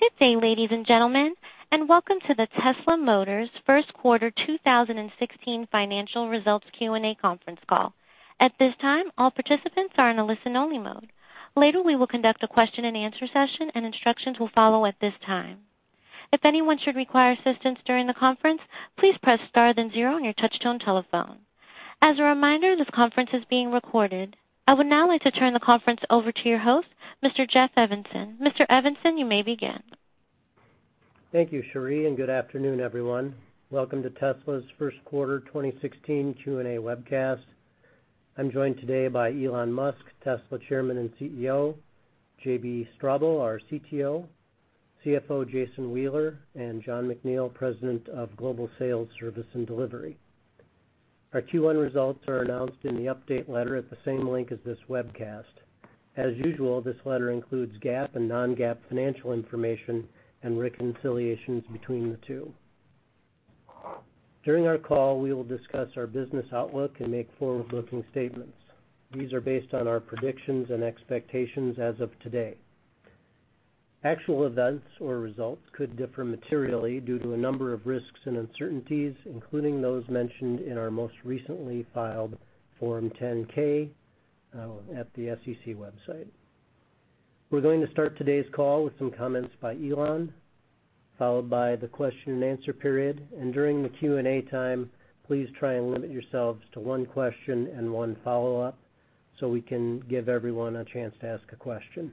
Good day, ladies and gentlemen, and welcome to the Tesla Motors first quarter 2016 financial results Q&A conference call. At this time, all participants are in a listen-only mode. Later, we will conduct a question-and-answer session, and instructions will follow at this time. If anyone should require assistance during the conference, please press star then zero on your touch-tone telephone. As a reminder, this conference is being recorded. I would now like to turn the conference over to your host, Mr. Jeff Evanson. Mr. Evanson, you may begin. Thank you, Cherie, good afternoon, everyone. Welcome to Tesla's first quarter 2016 Q&A webcast. I'm joined today by Elon Musk, Tesla Chairman and CEO, JB Straubel, our CTO, CFO Jason Wheeler, and Jon McNeill, President of Global Sales, Service and Delivery. Our Q1 results are announced in the update letter at the same link as this webcast. As usual, this letter includes GAAP and non-GAAP financial information and reconciliations between the two. During our call, we will discuss our business outlook and make forward-looking statements. These are based on our predictions and expectations as of today. Actual events or results could differ materially due to a number of risks and uncertainties, including those mentioned in our most recently filed Form 10-K at the SEC website. We're going to start today's call with some comments by Elon, followed by the question-and-answer period. During the Q&A time, please try and limit yourselves to one question and one follow-up. We can give everyone a chance to ask a question.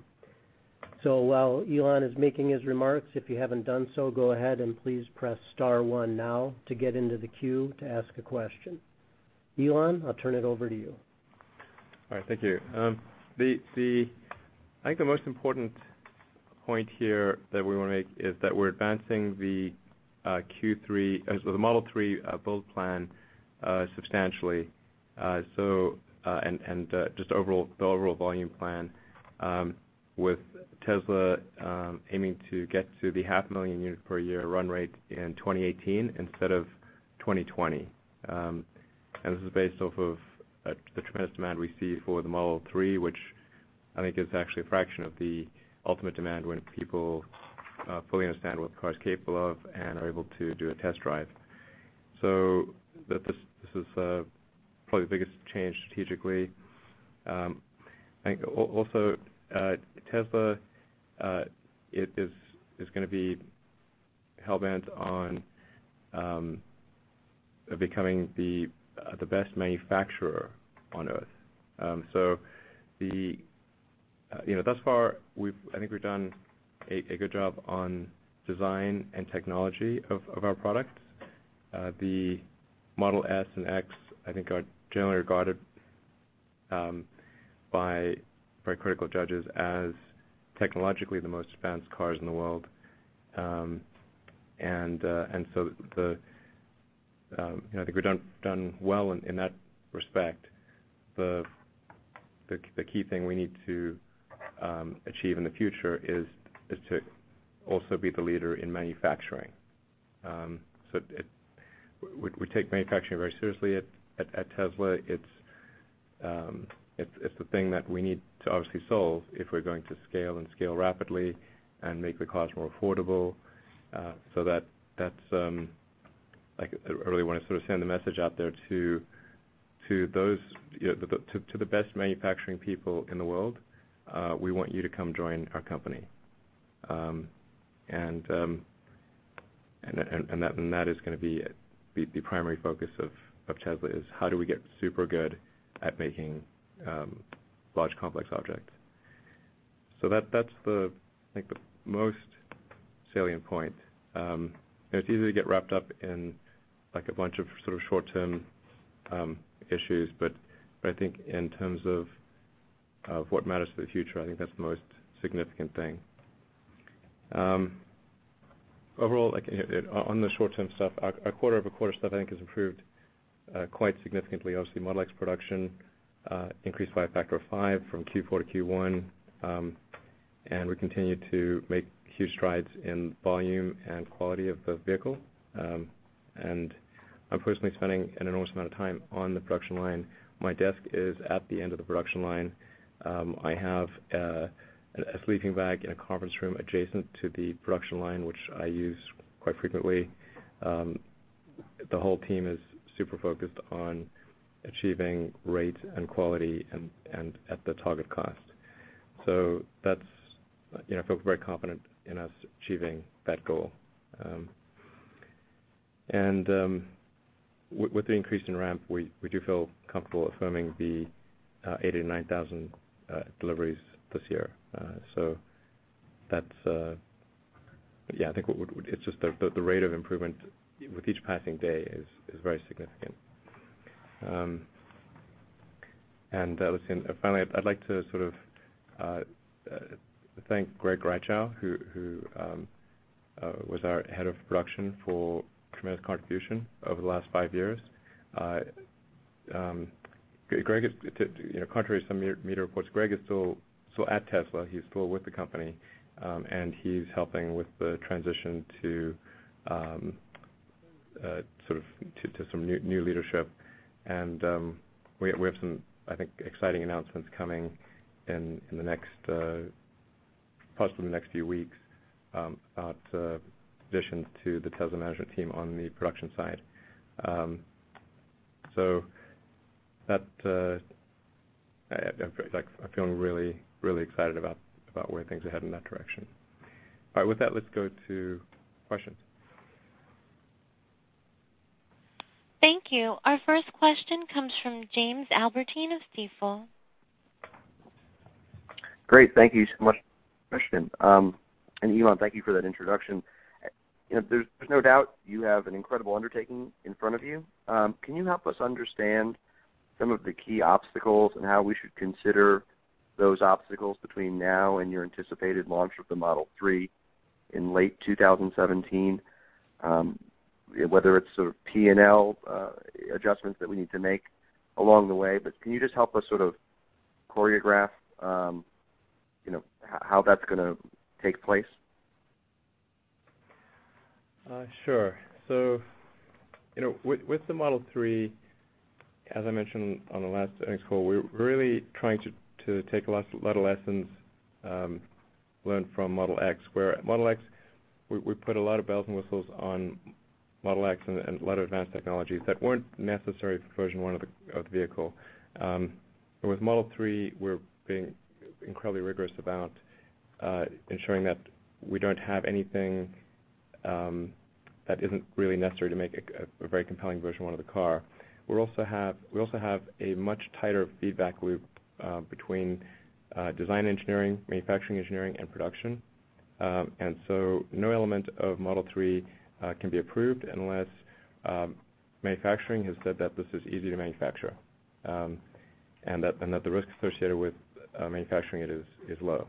While Elon is making his remarks, if you haven't done so, go ahead and please press star one now to get into the queue to ask a question. Elon, I'll turn it over to you. All right. Thank you. I think the most important point here that we wanna make is that we're advancing the Q3, so the Model 3, build plan, substantially. Just overall, the overall volume plan, with Tesla, aiming to get to the half million unit per year run rate in 2018 instead of 2020. This is based off of the tremendous demand we see for the Model 3, which I think is actually a fraction of the ultimate demand when people fully understand what the car is capable of and are able to do a test drive. This is probably the biggest change strategically. I think Tesla is gonna be hell-bent on becoming the best manufacturer on Earth. You know, thus far, I think we've done a good job on design and technology of our products. The Model S and X, I think, are generally regarded by very critical judges as technologically the most advanced cars in the world. You know, I think we've done well in that respect. The key thing we need to achieve in the future is to also be the leader in manufacturing. We take manufacturing very seriously at Tesla. It's the thing that we need to obviously solve if we're going to scale and scale rapidly and make the cars more affordable. That, that's like I really wanna sort of send a message out there to those, you know, to the best manufacturing people in the world, we want you to come join our company. That is gonna be the primary focus of Tesla, is how do we get super good at making large, complex objects? That, that's the I think the most salient point. It's easy to get wrapped up in, like, a bunch of short-term issues, but I think in terms of what matters for the future, I think that's the most significant thing. Overall, on the short-term stuff, our quarter-over-quarter stuff I think has improved quite significantly. Obviously, Model X production increased by a factor of five from Q4 to Q1. And we continue to make huge strides in volume and quality of the vehicle. And I'm personally spending an enormous amount of time on the production line. My desk is at the end of the production line. I have a sleeping bag in a conference room adjacent to the production line, which I use quite frequently. The whole team is super focused on achieving rate and quality and at the target cost. That's, you know, I feel very confident in us achieving that goal. With the increase in ramp, we do feel comfortable affirming the 89,000 deliveries this year. That's, yeah, I think it's just the rate of improvement with each passing day is very significant. Listen, finally, I'd like to sort of thank Greg Reichow, who was our head of production, for tremendous contribution over the last five years. Greg is, you know, contrary to some media reports, Greg is still at Tesla. He's still with the company, and he's helping with the transition to sort of some new leadership. We have some, I think, exciting announcements coming in the next, possibly in the next few weeks, about additions to the Tesla management team on the production side. I feel like I'm feeling really excited about where things are headed in that direction. All right. With that, let's go to questions. Thank you. Our first question comes from Jamie Albertine of Stifel. Great. Thank you so much, Christine. Elon, thank you for that introduction. You know, there's no doubt you have an incredible undertaking in front of you. Can you help us understand some of the key obstacles and how we should consider those obstacles between now and your anticipated launch of the Model 3 in late 2017? Whether it's sort of P&L adjustments that we need to make along the way, but can you just help us sort of choreograph, you know, how that's going to take place? Sure. You know, with the Model 3, as I mentioned on the last earnings call, we're really trying to take a lot of lessons learned from Model X, where Model X, we put a lot of bells and whistles on Model X and a lot of advanced technologies that weren't necessary for version one of the vehicle. But with Model 3, we're being incredibly rigorous about ensuring that we don't have anything that isn't really necessary to make a very compelling version one of the car. We also have a much tighter feedback loop between design engineering, manufacturing engineering, and production. No element of Model 3 can be approved unless manufacturing has said that this is easy to manufacture, and that the risk associated with manufacturing it is low.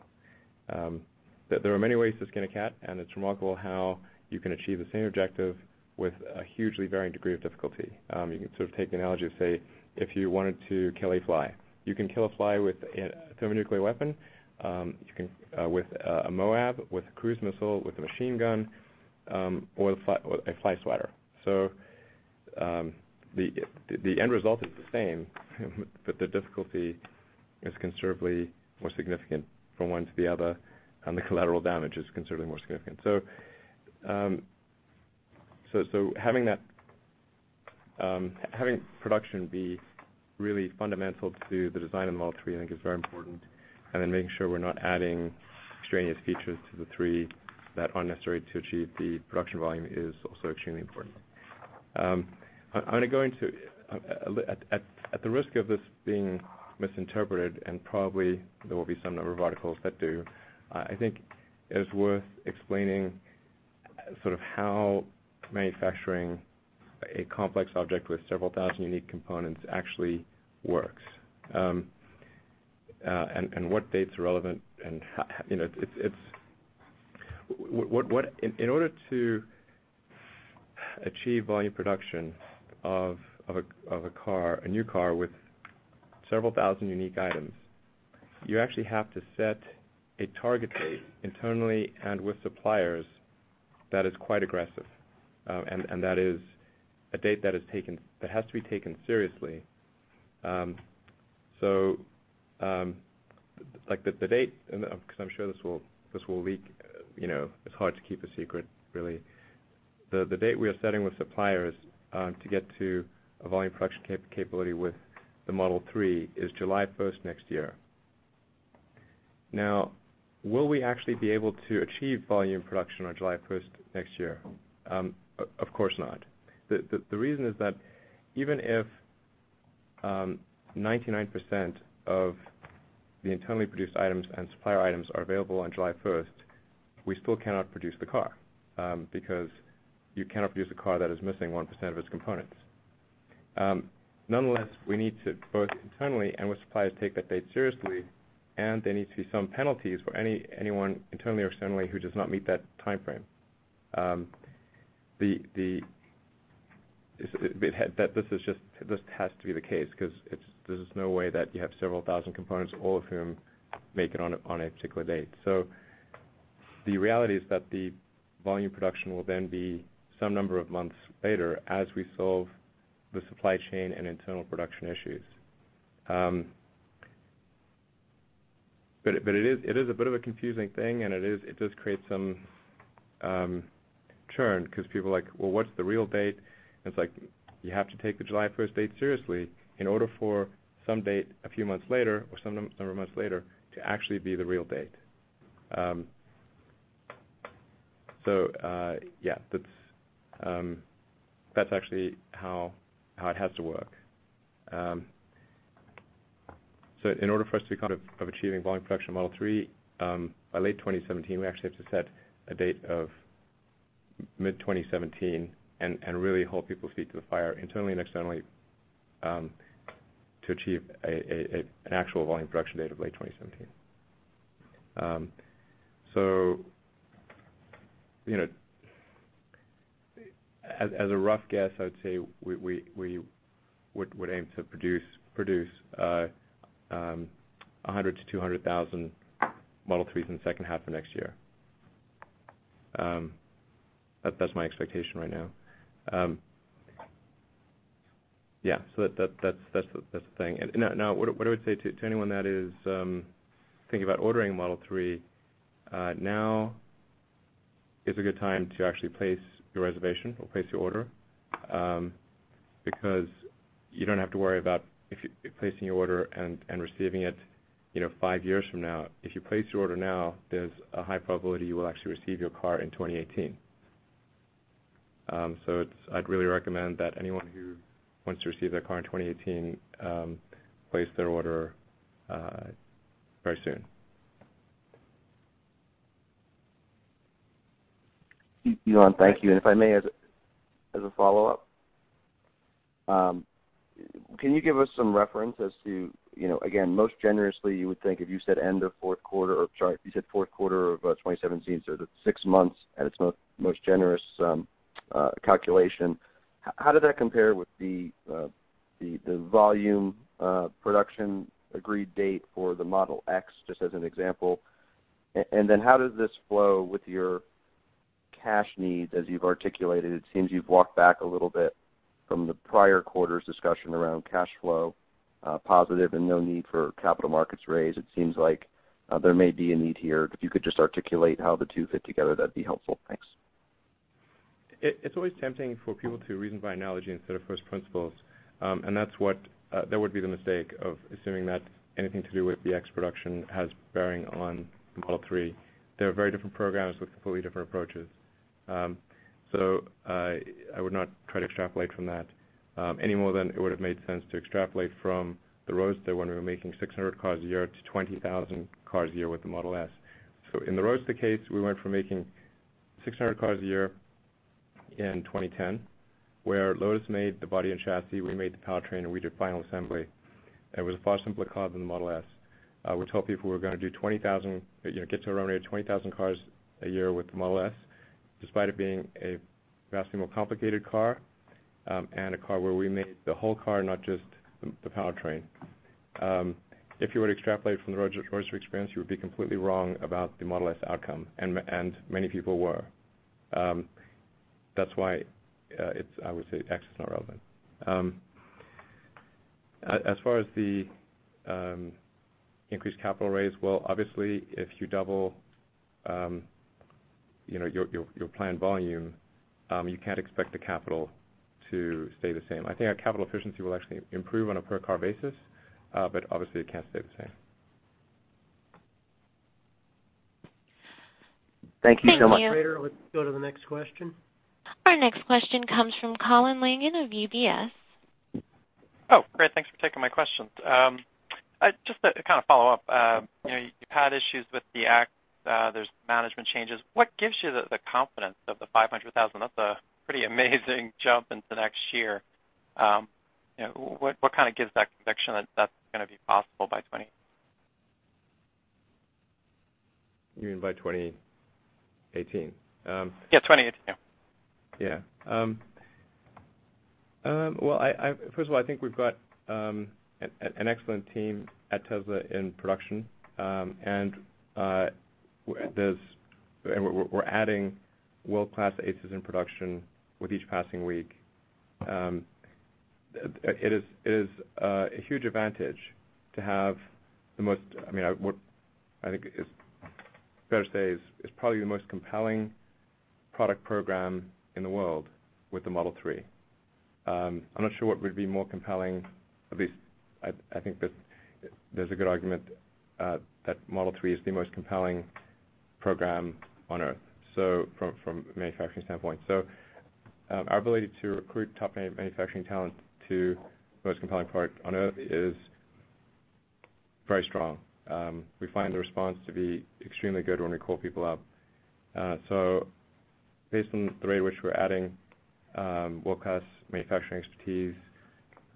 There are many ways to skin a cat, and it's remarkable how you can achieve the same objective with a hugely varying degree of difficulty. You can sort of take the analogy of, say, if you wanted to kill a fly. You can kill a fly with a thermonuclear weapon, you can with a MOAB, with a cruise missile, with a machine gun, or a fly swatter. The end result is the same, but the difficulty is considerably more significant from one to the other, and the collateral damage is considerably more significant. Having production be really fundamental to the design of Model 3, I think is very important, and then making sure we're not adding extraneous features to the 3 that aren't necessary to achieve the production volume is also extremely important. I'm gonna go into, at the risk of this being misinterpreted, and probably there will be some number of articles that do, I think it's worth explaining sort of how manufacturing a complex object with several thousand unique components actually works, and what dates are relevant, you know, in order to achieve volume production of a car, a new car with several thousand unique items, you actually have to set a target date internally and with suppliers that is quite aggressive, and that is a date that is taken, that has to be taken seriously. Like the date, because I'm sure this will leak. You know, it's hard to keep a secret, really. The date we are setting with suppliers to get to a volume production capability with the Model 3 is July 1st next year. Now, will we actually be able to achieve volume production on July 1st next year? Of course not. The reason is that even if 99% of the internally produced items and supplier items are available on July 1st, we still cannot produce the car because you cannot produce a car that is missing 1% of its components. Nonetheless, we need to both internally and with suppliers take that date seriously, and there need to be some penalties for anyone, internally or externally, who does not meet that timeframe. This has to be the case 'cause there's just no way that you have several thousand components, all of whom make it on a particular date. The reality is that the volume production will then be some number of months later as we solve the supply chain and internal production issues. It is a bit of a confusing thing, and it does create some churn 'cause people are like, "Well, what's the real date?" It's like, you have to take the July 1st date seriously in order for some date a few months later or some number of months later to actually be the real date. Yeah, that's actually how it has to work. In order for us to be kind of achieving volume production of Model 3 by late 2017, we actually have to set a date of mid-2017 and really hold people's feet to the fire internally and externally to achieve an actual volume production date of late 2017. You know, as a rough guess, I would say we would aim to produce 100,000 to 200,000 Model 3s in the second half of next year. That's my expectation right now. That's the thing. Now what I would say to anyone that is thinking about ordering a Model 3, now is a good time to actually place your reservation or place your order, because you don't have to worry about placing your order and receiving it, you know, five years from now. If you place your order now, there's a high probability you will actually receive your car in 2018. I'd really recommend that anyone who wants to receive their car in 2018, place their order very soon. Thank you, Elon. Thank you. If I may, as a follow-up, can you give us some reference as to, you know, again, most generously you would think if you said end of fourth quarter, or sorry, you said fourth quarter of 2017, so the six months at its most generous calculation, how did that compare with the volume production agreed date for the Model X, just as an example. How does this flow with your cash needs as you've articulated? It seems you've walked back a little bit from the prior quarter's discussion around cash flow positive and no need for capital markets raise. It seems like there may be a need here. If you could just articulate how the two fit together, that'd be helpful. Thanks. It's always tempting for people to reason by analogy instead of first principles. That would be the mistake of assuming that anything to do with the Model X production has bearing on Model 3. They're very different programs with completely different approaches. I would not try to extrapolate from that any more than it would've made sense to extrapolate from the Roadster when we were making 600 cars a year to 20,000 cars a year with the Model S. In the Roadster case, we went from making 600 cars a year in 2010, where Lotus made the body and chassis, we made the powertrain, and we did final assembly. It was a far simpler car than the Model S. We told people we were going to do 20,000, you know, get to a run rate of 20,000 cars a year with the Model S, despite it being a vastly more complicated car, and a car where we made the whole car, not just the powertrain. If you were to extrapolate from the Roadster experience, you would be completely wrong about the Model S outcome, and many people were. That's why, it's, I would say Model X is not relevant. As far as the increased capital raise, well, obviously, if you double, you know, your, your planned volume, you can't expect the capital to stay the same. I think our capital efficiency will actually improve on a per car basis, but obviously it can't stay the same. Thank you so much. Thank you. Operator, let's go to the next question. Our next question comes from Colin Langan of UBS. Oh, great. Thanks for taking my questions. Just to kind of follow up, you know, you've had issues with the Model X, there's management changes. What gives you the confidence of the 500,000? That's a pretty amazing jump into next year. You know, what kind of gives that conviction that that's gonna be possible by 2020? You mean by 2018? Yeah, 2018, yeah. Well, I first of all, I think we've got an excellent team at Tesla in production, and we're adding world-class aces in production with each passing week. It is a huge advantage to have the most, I mean, what I think is fair to say is probably the most compelling product program in the world with the Model 3. I'm not sure what would be more compelling, at least I think that there's a good argument that Model 3 is the most compelling program on Earth, from a manufacturing standpoint. Our ability to recruit top manufacturing talent to the most compelling product on Earth is very strong. We find the response to be extremely good when we call people up. Based on the rate at which we're adding world-class manufacturing expertise,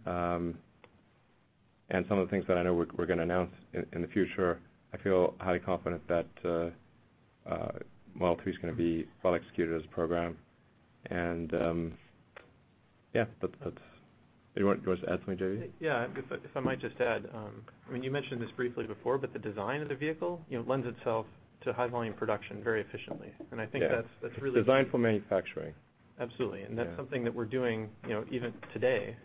and some of the things that I know we're gonna announce in the future, I feel highly confident that Model 3's gonna be well executed as a program. Yeah, that's. Do you want to add something, JB? Yeah, if I might just add, I mean, you mentioned this briefly before, but the design of the vehicle, you know, lends itself to high-volume production very efficiently. I think that's. Yeah. It's designed for manufacturing. Absolutely. Yeah. That's something that we're doing, you know, even today.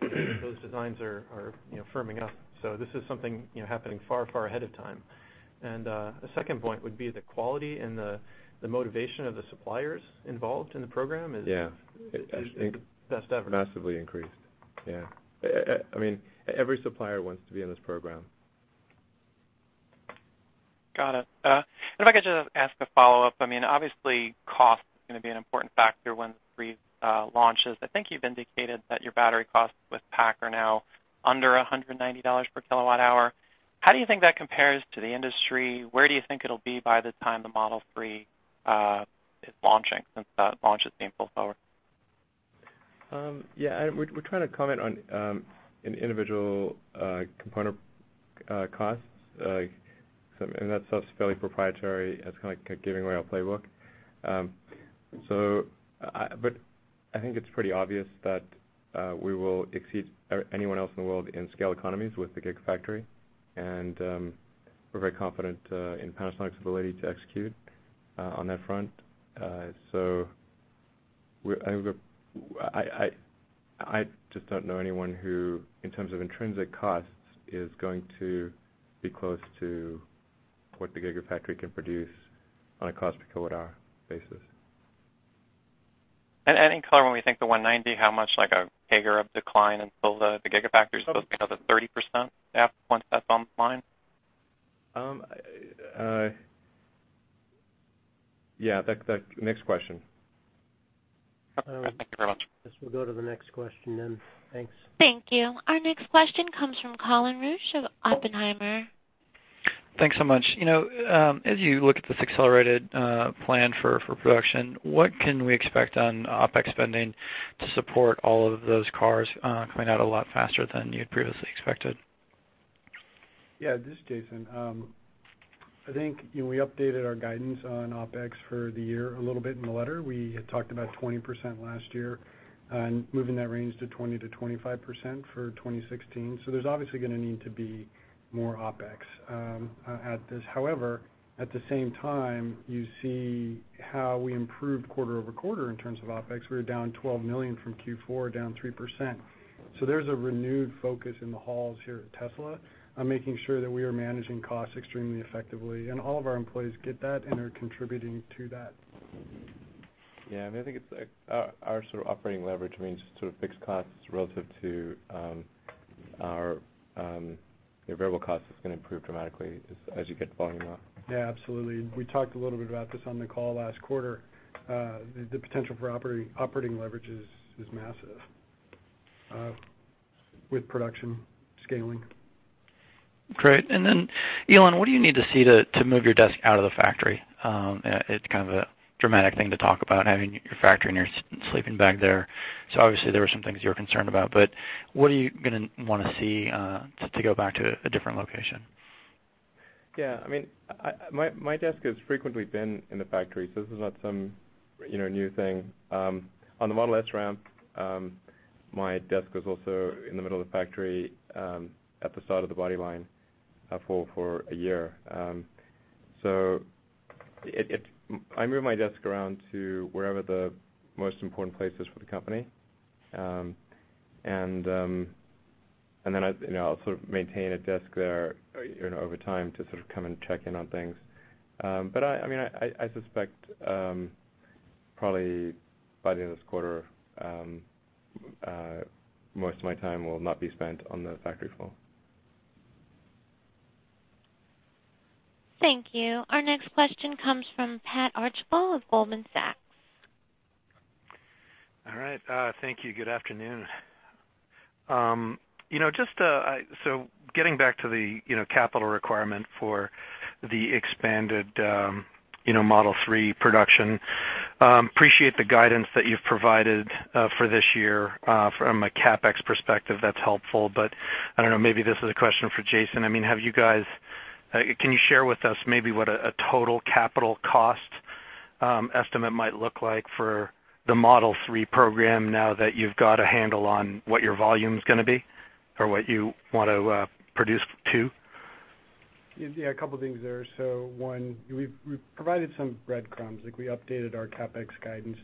Those designs are, you know, firming up. This is something, you know, happening far, far ahead of time. A second point would be the quality and the motivation of the suppliers involved in the program. Yeah. is the best ever. Massively increased. Yeah. I mean, every supplier wants to be in this program. Got it. If I could just ask a follow-up. I mean, obviously, cost is gonna be an important factor when Model 3 launches. I think you've indicated that your battery costs with pack are now under $190 per kilowatt hour. How do you think that compares to the industry? Where do you think it'll be by the time the Model 3 is launching, since that launch is being pulled forward? We're trying to comment on an individual component costs. That stuff's fairly proprietary. That's kind of like giving away our playbook. I think it's pretty obvious that we will exceed anyone else in the world in scale economies with the Gigafactory, and we're very confident in Panasonic's ability to execute on that front. I just don't know anyone who, in terms of intrinsic costs, is going to be close to what the Gigafactory can produce on a cost-per-kilowatt-hour basis. In color, when we think the 190, how much like a CAGR of decline until the Gigafactory is supposed to be another 30% once that's online? Yeah, that next question. Thank you very much. Yes, we'll go to the next question then. Thanks. Thank you. Our next question comes from Colin Rusch of Oppenheimer. Thanks so much. You know, as you look at this accelerated plan for production, what can we expect on OpEx spending to support all of those cars coming out a lot faster than you'd previously expected? Yeah, this is Jason. I think, you know, we updated our guidance on OpEx for the year a little bit in the letter. We had talked about 20% last year and moving that range to 20%-25% for 2016. There's obviously gonna need to be more OpEx at this. However, at the same time, you see how we improved quarter-over-quarter in terms of OpEx. We were down $12 million from Q4, down 3%. There's a renewed focus in the halls here at Tesla on making sure that we are managing costs extremely effectively, and all of our employees get that and are contributing to that. I think it's, like, our sort of operating leverage means sort of fixed costs relative to our, you know, variable costs is gonna improve dramatically as you get volume up. Absolutely. We talked a little bit about this on the call last quarter. The potential for operating leverage is massive, with production scaling. Great. Elon, what do you need to see to move your desk out of the factory? It's kind of a dramatic thing to talk about, having your factory and your sleeping bag there. Obviously, there were some things you were concerned about, but what are you gonna wanna see to go back to a different location? Yeah, I mean, my desk has frequently been in the factory, so this is not some, you know, new thing. On the Model S ramp, my desk was also in the middle of the factory, at the side of the body line, for a year. I move my desk around to wherever the most important place is for the company. I, you know, I'll sort of maintain a desk there, you know, over time to sort of come and check in on things. I mean, I suspect, probably by the end of this quarter, most of my time will not be spent on the factory floor. Thank you. Our next question comes from Patrick Archambault of Goldman Sachs. All right. Thank you. Good afternoon. You know, just so getting back to the, you know, capital requirement for the expanded, you know, Model 3 production, appreciate the guidance that you've provided for this year. From a CapEx perspective, that's helpful. I don't know, maybe this is a question for Jason. I mean, can you share with us maybe what a total capital cost estimate might look like for the Model 3 program now that you've got a handle on what your volume's gonna be or what you want to produce to? Yeah, a couple things there. One, we've provided some breadcrumbs. Like, we updated our CapEx guidance.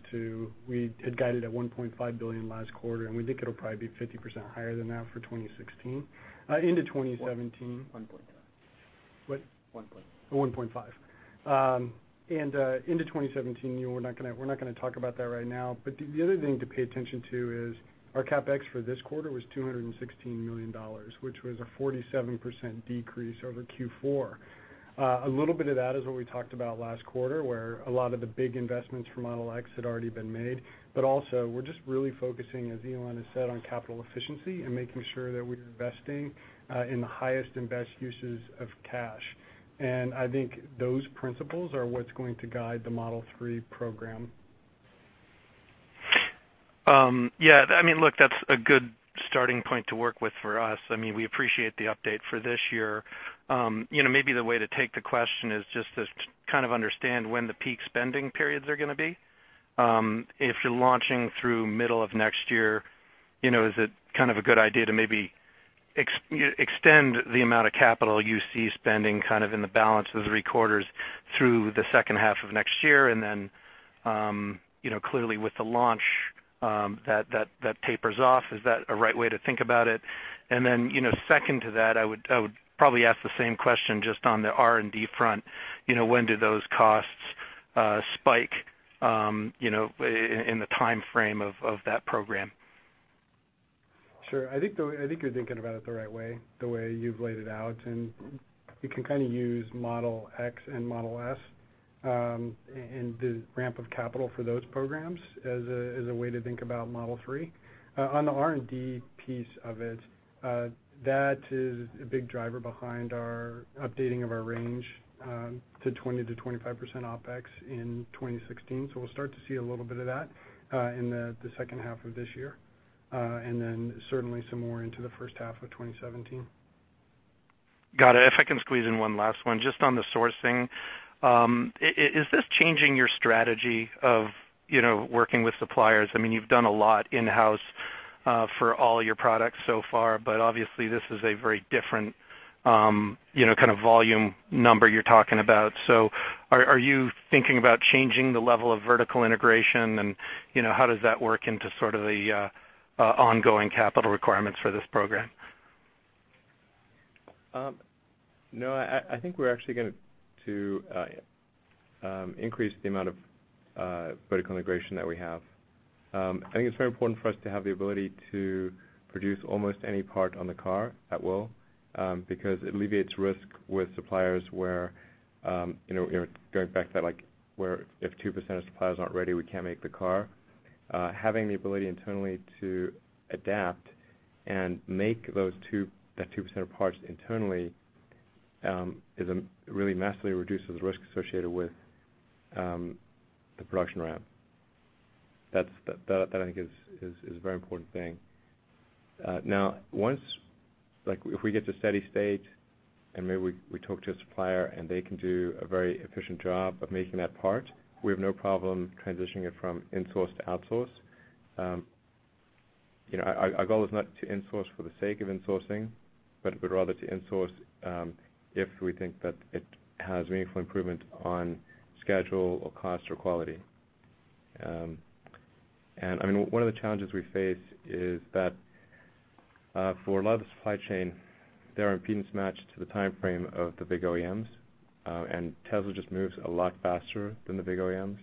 We had guided at $1.5 billion last quarter, and we think it'll probably be 50% higher than that for 2016 into 2017. 1.5. What? 1.5. 1.5. Into 2017, you know, we're not gonna, we're not gonna talk about that right now. The other thing to pay attention to is our CapEx for this quarter was $216 million, which was a 47% decrease over Q4. A little bit of that is what we talked about last quarter, where a lot of the big investments for Model X had already been made. Also, we're just really focusing, as Elon has said, on capital efficiency and making sure that we're investing in the highest and best uses of cash. I think those principles are what's going to guide the Model 3 program. Yeah, I mean, look, that's a good starting point to work with for us. I mean, we appreciate the update for this year. You know, maybe the way to take the question is just to kind of understand when the peak spending periods are gonna be. If you're launching through middle of next year, you know, is it kind of a good idea to maybe extend the amount of capital you see spending kind of in the balance of the three quarters through the second half of next year? You know, clearly with the launch, that tapers off. Is that a right way to think about it? You know, second to that, I would probably ask the same question just on the R&D front. You know, when do those costs spike, you know, in the timeframe of that program? Sure. I think you're thinking about it the right way, the way you've laid it out, and you can kind of use Model X and Model S, and the ramp of capital for those programs as a way to think about Model 3. On the R&D piece of it, that is a big driver behind our updating of our range, to 20%-25% OpEx in 2016. We'll start to see a little bit of that in the second half of this year, and then certainly some more into the first half of 2017. Got it. If I can squeeze in one last one, just on the sourcing, is this changing your strategy of, you know, working with suppliers? I mean, you've done a lot in-house for all your products so far, but obviously this is a very different, you know, kind of volume number you're talking about. Are you thinking about changing the level of vertical integration and, you know, how does that work into sort of the ongoing capital requirements for this program? No, I think we're actually gonna increase the amount of vertical integration that we have. I think it's very important for us to have the ability to produce almost any part on the car at will, because it alleviates risk with suppliers where, you know, you're going back to that, like, where if 2% of suppliers aren't ready, we can't make the car. Having the ability internally to adapt and make that 2% of parts internally, is really massively reduces risk associated with the production ramp. That I think is a very important thing. Now once, if we get to steady state and maybe we talk to a supplier and they can do a very efficient job of making that part, we have no problem transitioning it from insource to outsource. You know, our goal is not to insource for the sake of insourcing, but rather to insource, if we think that it has meaningful improvement on schedule or cost or quality. I mean, one of the challenges we face is that for a lot of the supply chain, they're impedance matched to the timeframe of the big OEMs, Tesla just moves a lot faster than the big OEMs.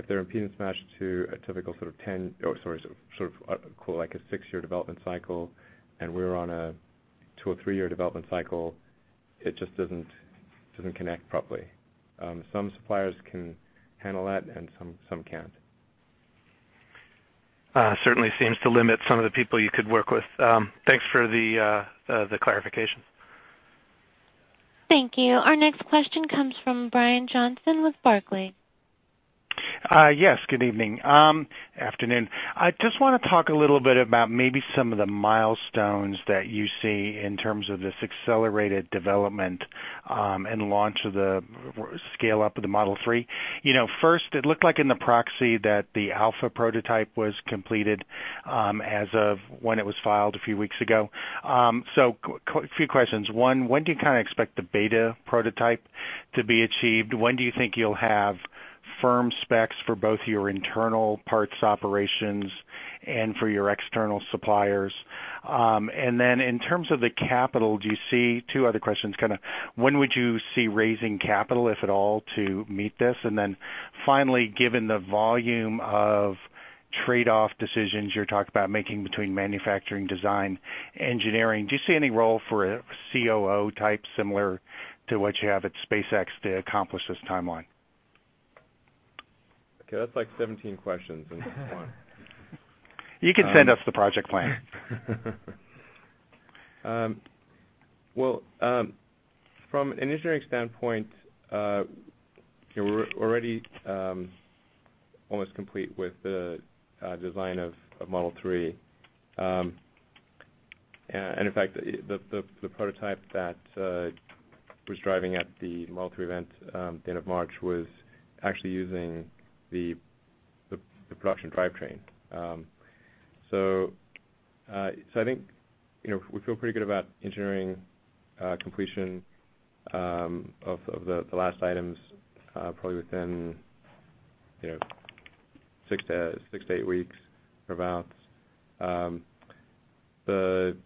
If they're impedance matched to a typical 10 or, sorry, a six-year development cycle, and we're on a two or three-year development cycle, it just doesn't connect properly. Some suppliers can handle that and some can't. Certainly seems to limit some of the people you could work with. Thanks for the clarification. Thank you. Our next question comes from Brian Johnston with Barclays. Yes, good evening, afternoon. I just wanna talk a little bit about maybe some of the milestones that you see in terms of this accelerated development and launch of the scale-up of the Model 3. You know, first, it looked like in the proxy that the alpha prototype was completed as of when it was filed a few weeks ago. Few questions. One. When do you kind of expect the beta prototype to be achieved? When do you think you'll have firm specs for both your internal parts operations and for your external suppliers? In terms of the capital, two other questions, kind of when would you see raising capital, if at all, to meet this? Finally, given the volume of trade-off decisions you're talking about making between manufacturing, design, engineering, do you see any role for a COO type similar to what you have at SpaceX to accomplish this timeline? Okay, that's like 17 questions in one. You can send us the project plan. Well, from an engineering standpoint, we're already almost complete with the design of Model 3. In fact, the prototype that was driving at the Model 3 event at the end of March was actually using the production drivetrain. I think, you know, we feel pretty good about engineering completion of the last items, probably within, you know, 6-8 weeks, or about. With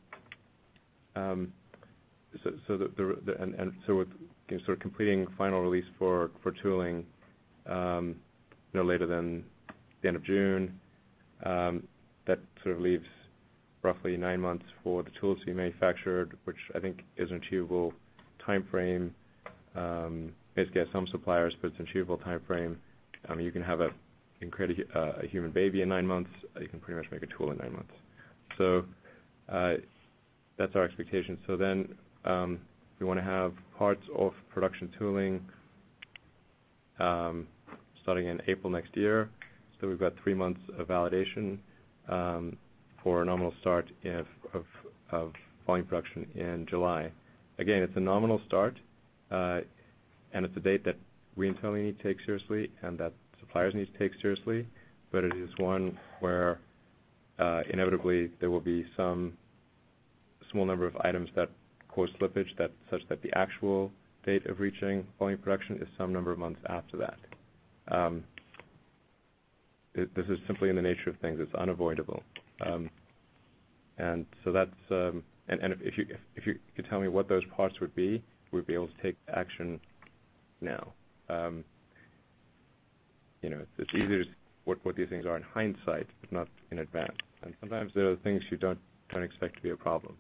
sort of completing final release for tooling no later than the end of June, that sort of leaves roughly nine months for the tools to be manufactured, which I think is an achievable timeframe, basically at some suppliers, but it's an achievable timeframe. I mean, you can create a human baby in nine months, you can pretty much make a tool in nine months. That's our expectation. We wanna have parts of production tooling starting in April next year. We've got three months of validation for a nominal start of volume production in July. Again, it's a nominal start, and it's a date that we internally need to take seriously and that suppliers need to take seriously, but it is one where inevitably there will be some small number of items that cause slippage that, such that the actual date of reaching volume production is some number of months after that. This is simply in the nature of things, it's unavoidable. If you, if you could tell me what those parts would be, we'd be able to take action now. You know, it's easier to what these things are in hindsight, but not in advance. Sometimes they are things you don't expect to be a problem.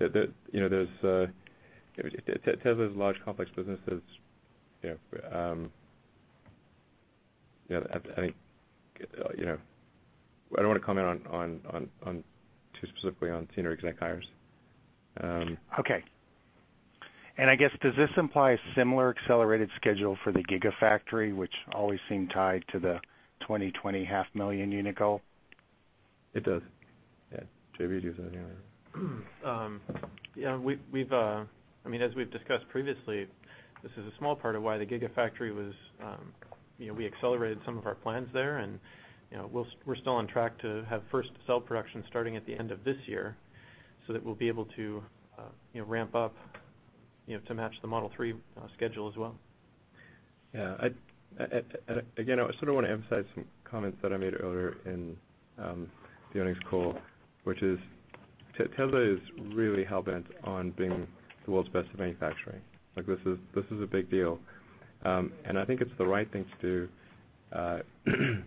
You know, there's, Tesla's a large complex business that's, you know, you know, at, I think, you know I don't wanna comment on too specifically on senior exec hires. Okay. I guess, does this imply a similar accelerated schedule for the Gigafactory, which always seemed tied to the 2020 half-million unit goal? It does. Yeah. JB, do you have anything to add? Yeah, we've I mean, as we've discussed previously, this is a small part of why the Gigafactory was, you know, we accelerated some of our plans there. You know, we're still on track to have first cell production starting at the end of this year, so that we'll be able to, you know, ramp up, you know, to match the Model 3 schedule as well. I again, I sort of wanna emphasize some comments that I made earlier in the earnings call, which is Tesla is really hell-bent on being the world's best at manufacturing. Like, this is a big deal. And I think it's the right thing to do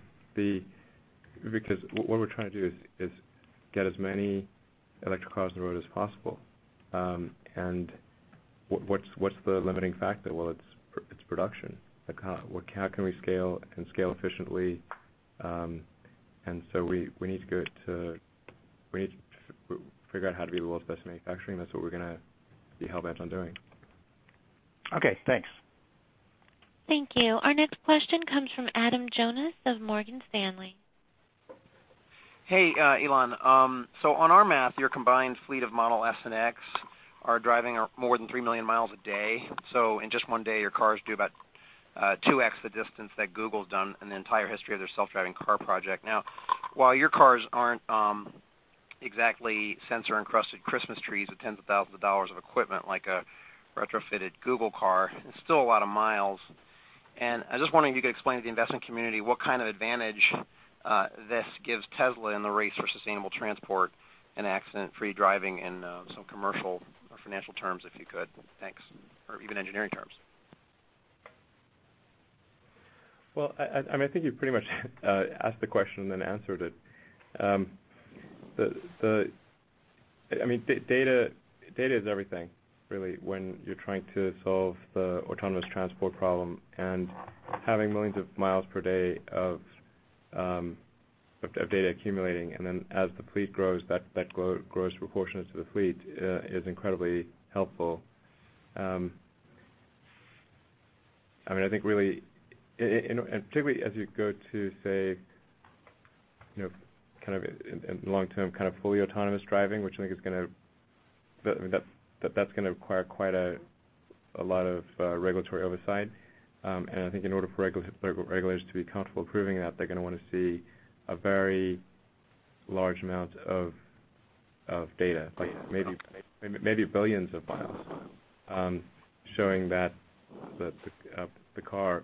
because what we're trying to do is get as many electric cars on the road as possible. And what's the limiting factor? Well, it's production. Like, how can we scale and scale efficiently? We need to figure out how to be the world's best at manufacturing. That's what we're gonna be hell-bent on doing. Okay, thanks. Thank you. Our next question comes from Adam Jonas of Morgan Stanley. Hey, Elon. On our math, your combined fleet of Model S and X are driving more than 3 million miles a day. In just one day, your cars do about 2x the distance that Google's done in the entire history of their self-driving car project. While your cars aren't exactly sensor-encrusted Christmas trees with tens of thousands of dollars of equipment like a retrofitted Google car, it's still a lot of miles. I was just wondering if you could explain to the investment community what kind of advantage this gives Tesla in the race for sustainable transport and accident-free driving in some commercial or financial terms, if you could. Thanks. Even engineering terms. I mean, I think you pretty much asked the question and then answered it. The, I mean, data is everything really when you're trying to solve the autonomous transport problem. Having millions of miles per day of data accumulating, and then as the fleet grows, that grows proportionate to the fleet is incredibly helpful. I mean, I think really, and particularly as you go to say, you know, kind of in long term kind of fully autonomous driving, which I think is gonna That, I mean, that's gonna require quite a lot of regulatory oversight. And I think in order for regulators to be comfortable approving that, they're gonna wanna see a very large amount of data, like maybe billions of miles, showing that the car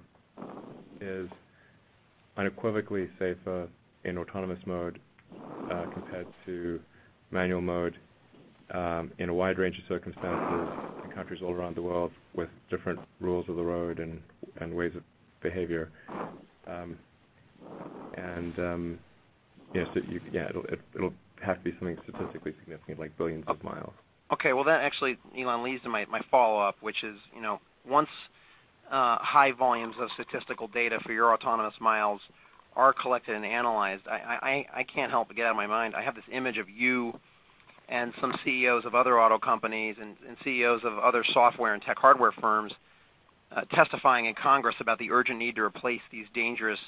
is unequivocally safer in autonomous mode, compared to manual mode, in a wide range of circumstances in countries all around the world with different rules of the road and ways of behavior. Yes, it'll have to be something statistically significant, like billions of miles. Okay. Well, that actually, Elon, leads to my follow-up, which is, you know, once, high volumes of statistical data for your autonomous miles are collected and analyzed, I can't help but get out of my mind, I have this image of you and some CEOs of other auto companies and CEOs of other software and tech hardware firms, testifying in Congress about the urgent need to replace these dangerous,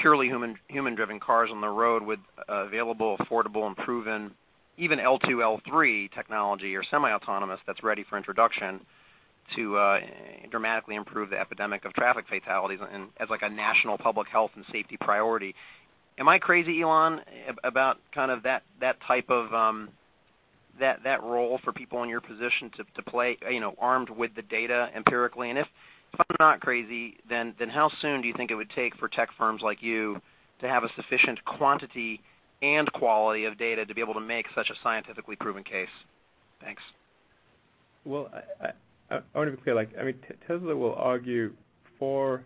purely human-driven cars on the road with available, affordable, and proven, even L2, L3 technology or semi-autonomous that's ready for introduction to, dramatically improve the epidemic of traffic fatalities and as like a national public health and safety priority. Am I crazy, Elon, about kind of that type of, that role for people in your position to play, you know, armed with the data empirically? If I'm not crazy, then how soon do you think it would take for tech firms like you to have a sufficient quantity and quality of data to be able to make such a scientifically proven case? Thanks. Well, I wanna be clear, like, I mean, Tesla will argue for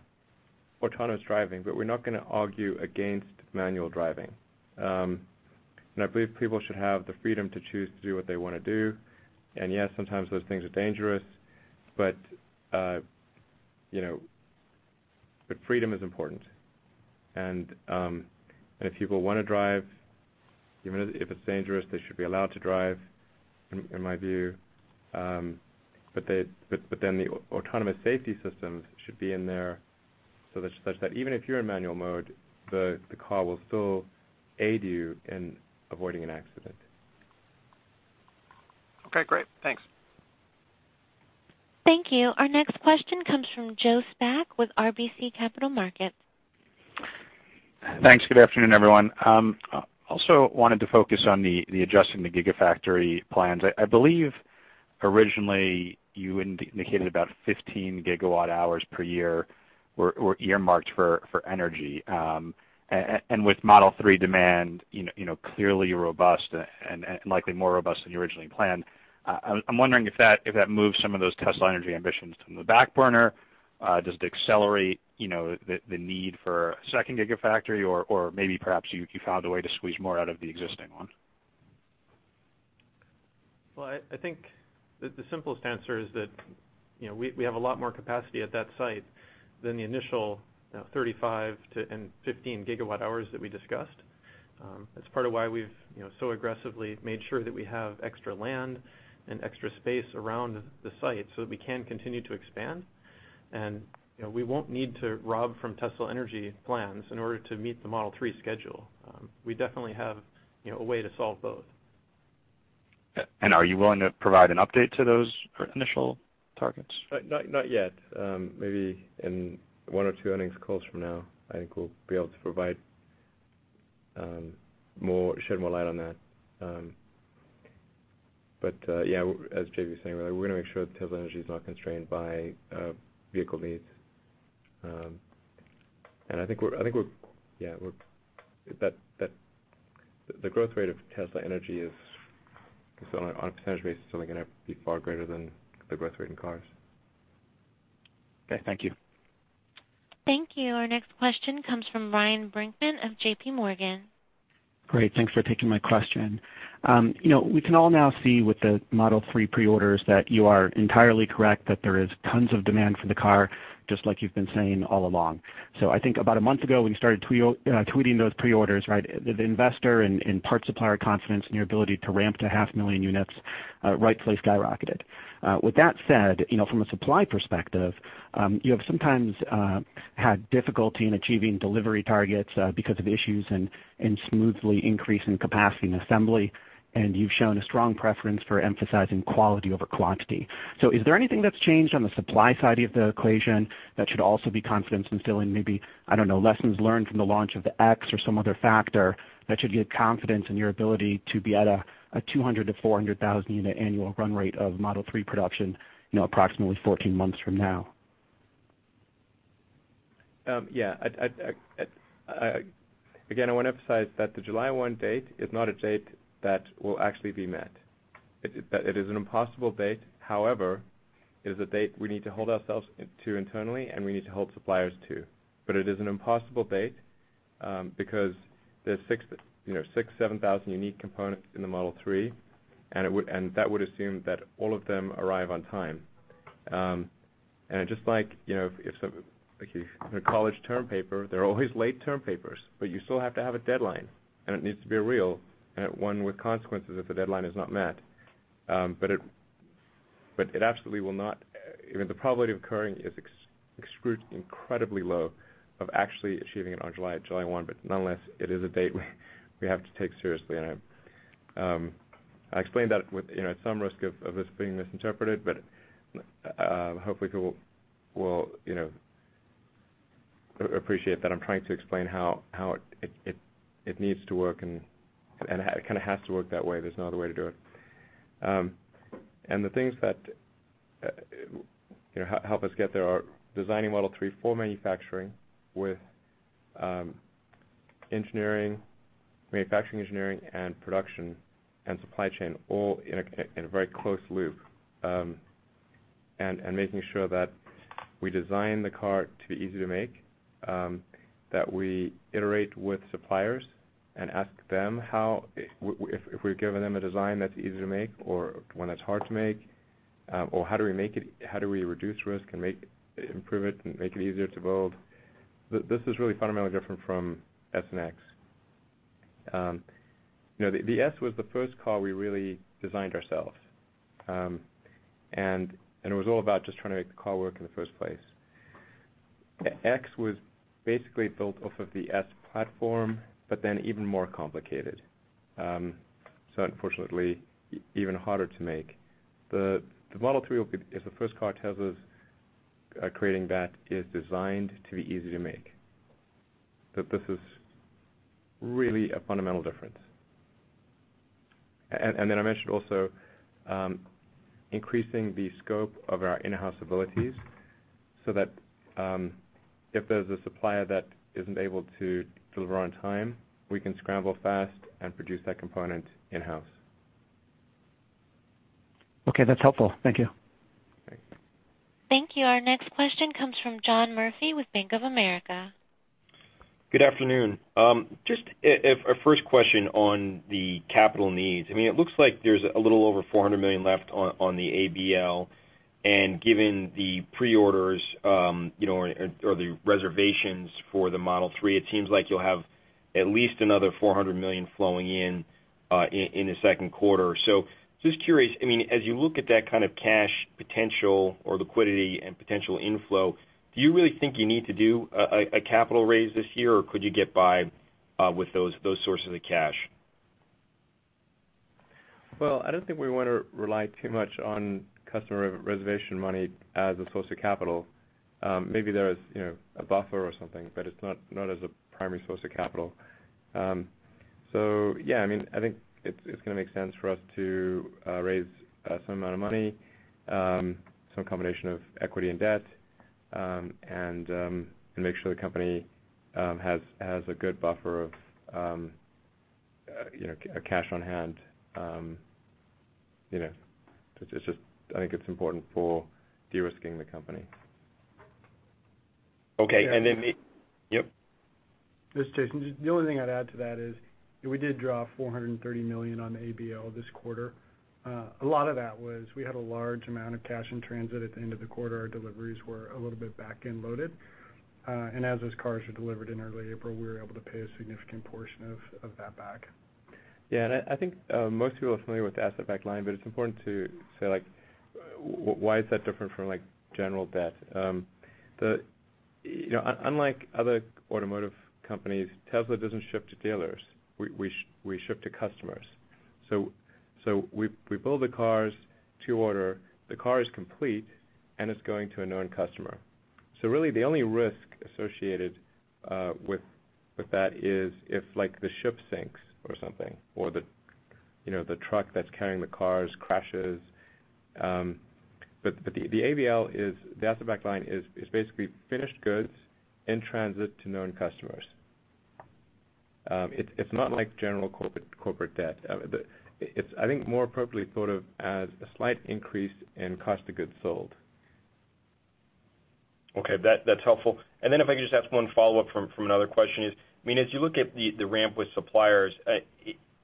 autonomous driving, but we're not gonna argue against manual driving. I believe people should have the freedom to choose to do what they wanna do. Yeah, sometimes those things are dangerous, but, you know, but freedom is important. If people wanna drive, even if it's dangerous, they should be allowed to drive, in my view. Then the autonomous safety systems should be in there so that, such that even if you're in manual mode, the car will still aid you in avoiding an accident. Okay, great. Thanks. Thank you. Our next question comes from Joe Spak with RBC Capital Markets. Thanks. Good afternoon, everyone. Also wanted to focus on adjusting the Gigafactory plans. I believe originally you indicated about 15 GWh per year were earmarked for energy. With Model 3 demand, you know, clearly robust and likely more robust than you originally planned, I'm wondering if that moves some of those Tesla Energy ambitions to the back burner. Does it accelerate, you know, the need for a second Gigafactory or maybe perhaps you found a way to squeeze more out of the existing one? Well, I think the simplest answer is that, you know, we have a lot more capacity at that site than the initial, you know, 35 GWh to, and 15 GWh that we discussed. That's part of why we've, you know, so aggressively made sure that we have extra land and extra space around the site so that we can continue to expand. You know, we won't need to rob from Tesla Energy plans in order to meet the Model 3 schedule. We definitely have, you know, a way to solve both. Are you willing to provide an update to those initial targets? Not yet. Maybe in one or two earnings calls from now, I think we'll be able to provide shed more light on that. Yeah, as JB was saying, we're gonna make sure that Tesla Energy is not constrained by vehicle needs. That the growth rate of Tesla Energy is on a percentage rate, is still gonna be far greater than the growth rate in cars. Okay, thank you. Thank you. Our next question comes from Ryan Brinkman of JPMorgan. Great. Thanks for taking my question. You know, we can all now see with the Model 3 pre-orders that you are entirely correct that there is tons of demand for the car, just like you've been saying all along. I think about a month ago, when you started tweeting those pre-orders, right? The investor and parts supplier confidence in your ability to ramp to 500,000 units, rightfully skyrocketed. With that said, you know, from a supply perspective, you have sometimes had difficulty in achieving delivery targets because of issues and smoothly increasing capacity and assembly, and you've shown a strong preference for emphasizing quality over quantity. Is there anything that's changed on the supply side of the equation that should also be confidence instilling, maybe, I don't know, lessons learned from the launch of the Model X or some other factor that should give confidence in your ability to be at a 200,000-400,000 unit annual run rate of Model 3 production, you know, approximately 14 months from now? Yeah. Again, I wanna emphasize that the July 1 date is not a date that will actually be met. That it is an impossible date. However, it is a date we need to hold ourselves to internally, and we need to hold suppliers to. It is an impossible date, because there's six, you know, six, 7,000 unique components in the Model 3, and that would assume that all of them arrive on time. Just like, you know, if, like, a college term paper, there are always late term papers, but you still have to have a deadline, and it needs to be real, and one with consequences if the deadline is not met. It absolutely will not You know, the probability of occurring is incredibly low of actually achieving it on July 1, but nonetheless, it is a date we have to take seriously. I explained that with, you know, some risk of this being misinterpreted, but hopefully, people will, you know, appreciate that I'm trying to explain how it, it needs to work and kind of has to work that way. There's no other way to do it. The things that, you know, help us get there are designing Model 3 for manufacturing with engineering, manufacturing engineering and production and supply chain all in a very close loop, and making sure that we design the car to be easy to make, that we iterate with suppliers and ask them how if we've given them a design that's easy to make or one that's hard to make, or how do we make it, how do we reduce risk and improve it and make it easier to build? This is really fundamentally different from S and X. You know, the S was the first car we really designed ourselves, and it was all about just trying to make the car work in the first place. X was basically built off of the Model S platform, but then even more complicated, so unfortunately even harder to make. The Model 3 is the first car Tesla's creating that is designed to be easy to make. This is really a fundamental difference. I mentioned also, increasing the scope of our in-house abilities so that, if there's a supplier that isn't able to deliver on time, we can scramble fast and produce that component in-house. Okay, that's helpful. Thank you. Great. Thank you. Our next question comes from John Murphy with Bank of America. Good afternoon. Just a first question on the capital needs. I mean, it looks like there's a little over $400 million left on the ABL, and given the pre-orders, you know, or the reservations for the Model 3, it seems like you'll have at least another $400 million flowing in the second quarter. Just curious, I mean, as you look at that kind of cash potential or liquidity and potential inflow, do you really think you need to do a capital raise this year, or could you get by with those sources of cash? Well, I don't think we wanna rely too much on customer reservation money as a source of capital. Maybe there is, you know, a buffer or something, but it's not as a primary source of capital. Yeah, I mean, I think it's gonna make sense for us to raise some amount of money, some combination of equity and debt, and make sure the company has a good buffer of, you know, cash on hand. You know, it's just, I think it's important for de-risking the company. Okay. Yeah. Yep. This is Jason. The only thing I'd add to that is we did draw $430 million on the ABL this quarter. A lot of that was we had a large amount of cash in transit at the end of the quarter. Our deliveries were a little bit back-end loaded. As those cars were delivered in early April, we were able to pay a significant portion of that back. I think most people are familiar with the asset-backed line, but it's important to say, like, why is that different from, like, general debt? The, you know, unlike other automotive companies, Tesla doesn't ship to dealers. We ship to customers. We build the cars to order, the car is complete, and it's going to a known customer. Really the only risk associated with that is if, like, the ship sinks or something, or the, you know, the truck that's carrying the cars crashes. The ABL is, the asset-backed line is basically finished goods in transit to known customers. It's, it's not like general corporate debt. The, it's, I think, more appropriately thought of as a slight increase in cost of goods sold. Okay, that's helpful. If I could just ask one follow-up from another question, I mean, as you look at the ramp with suppliers,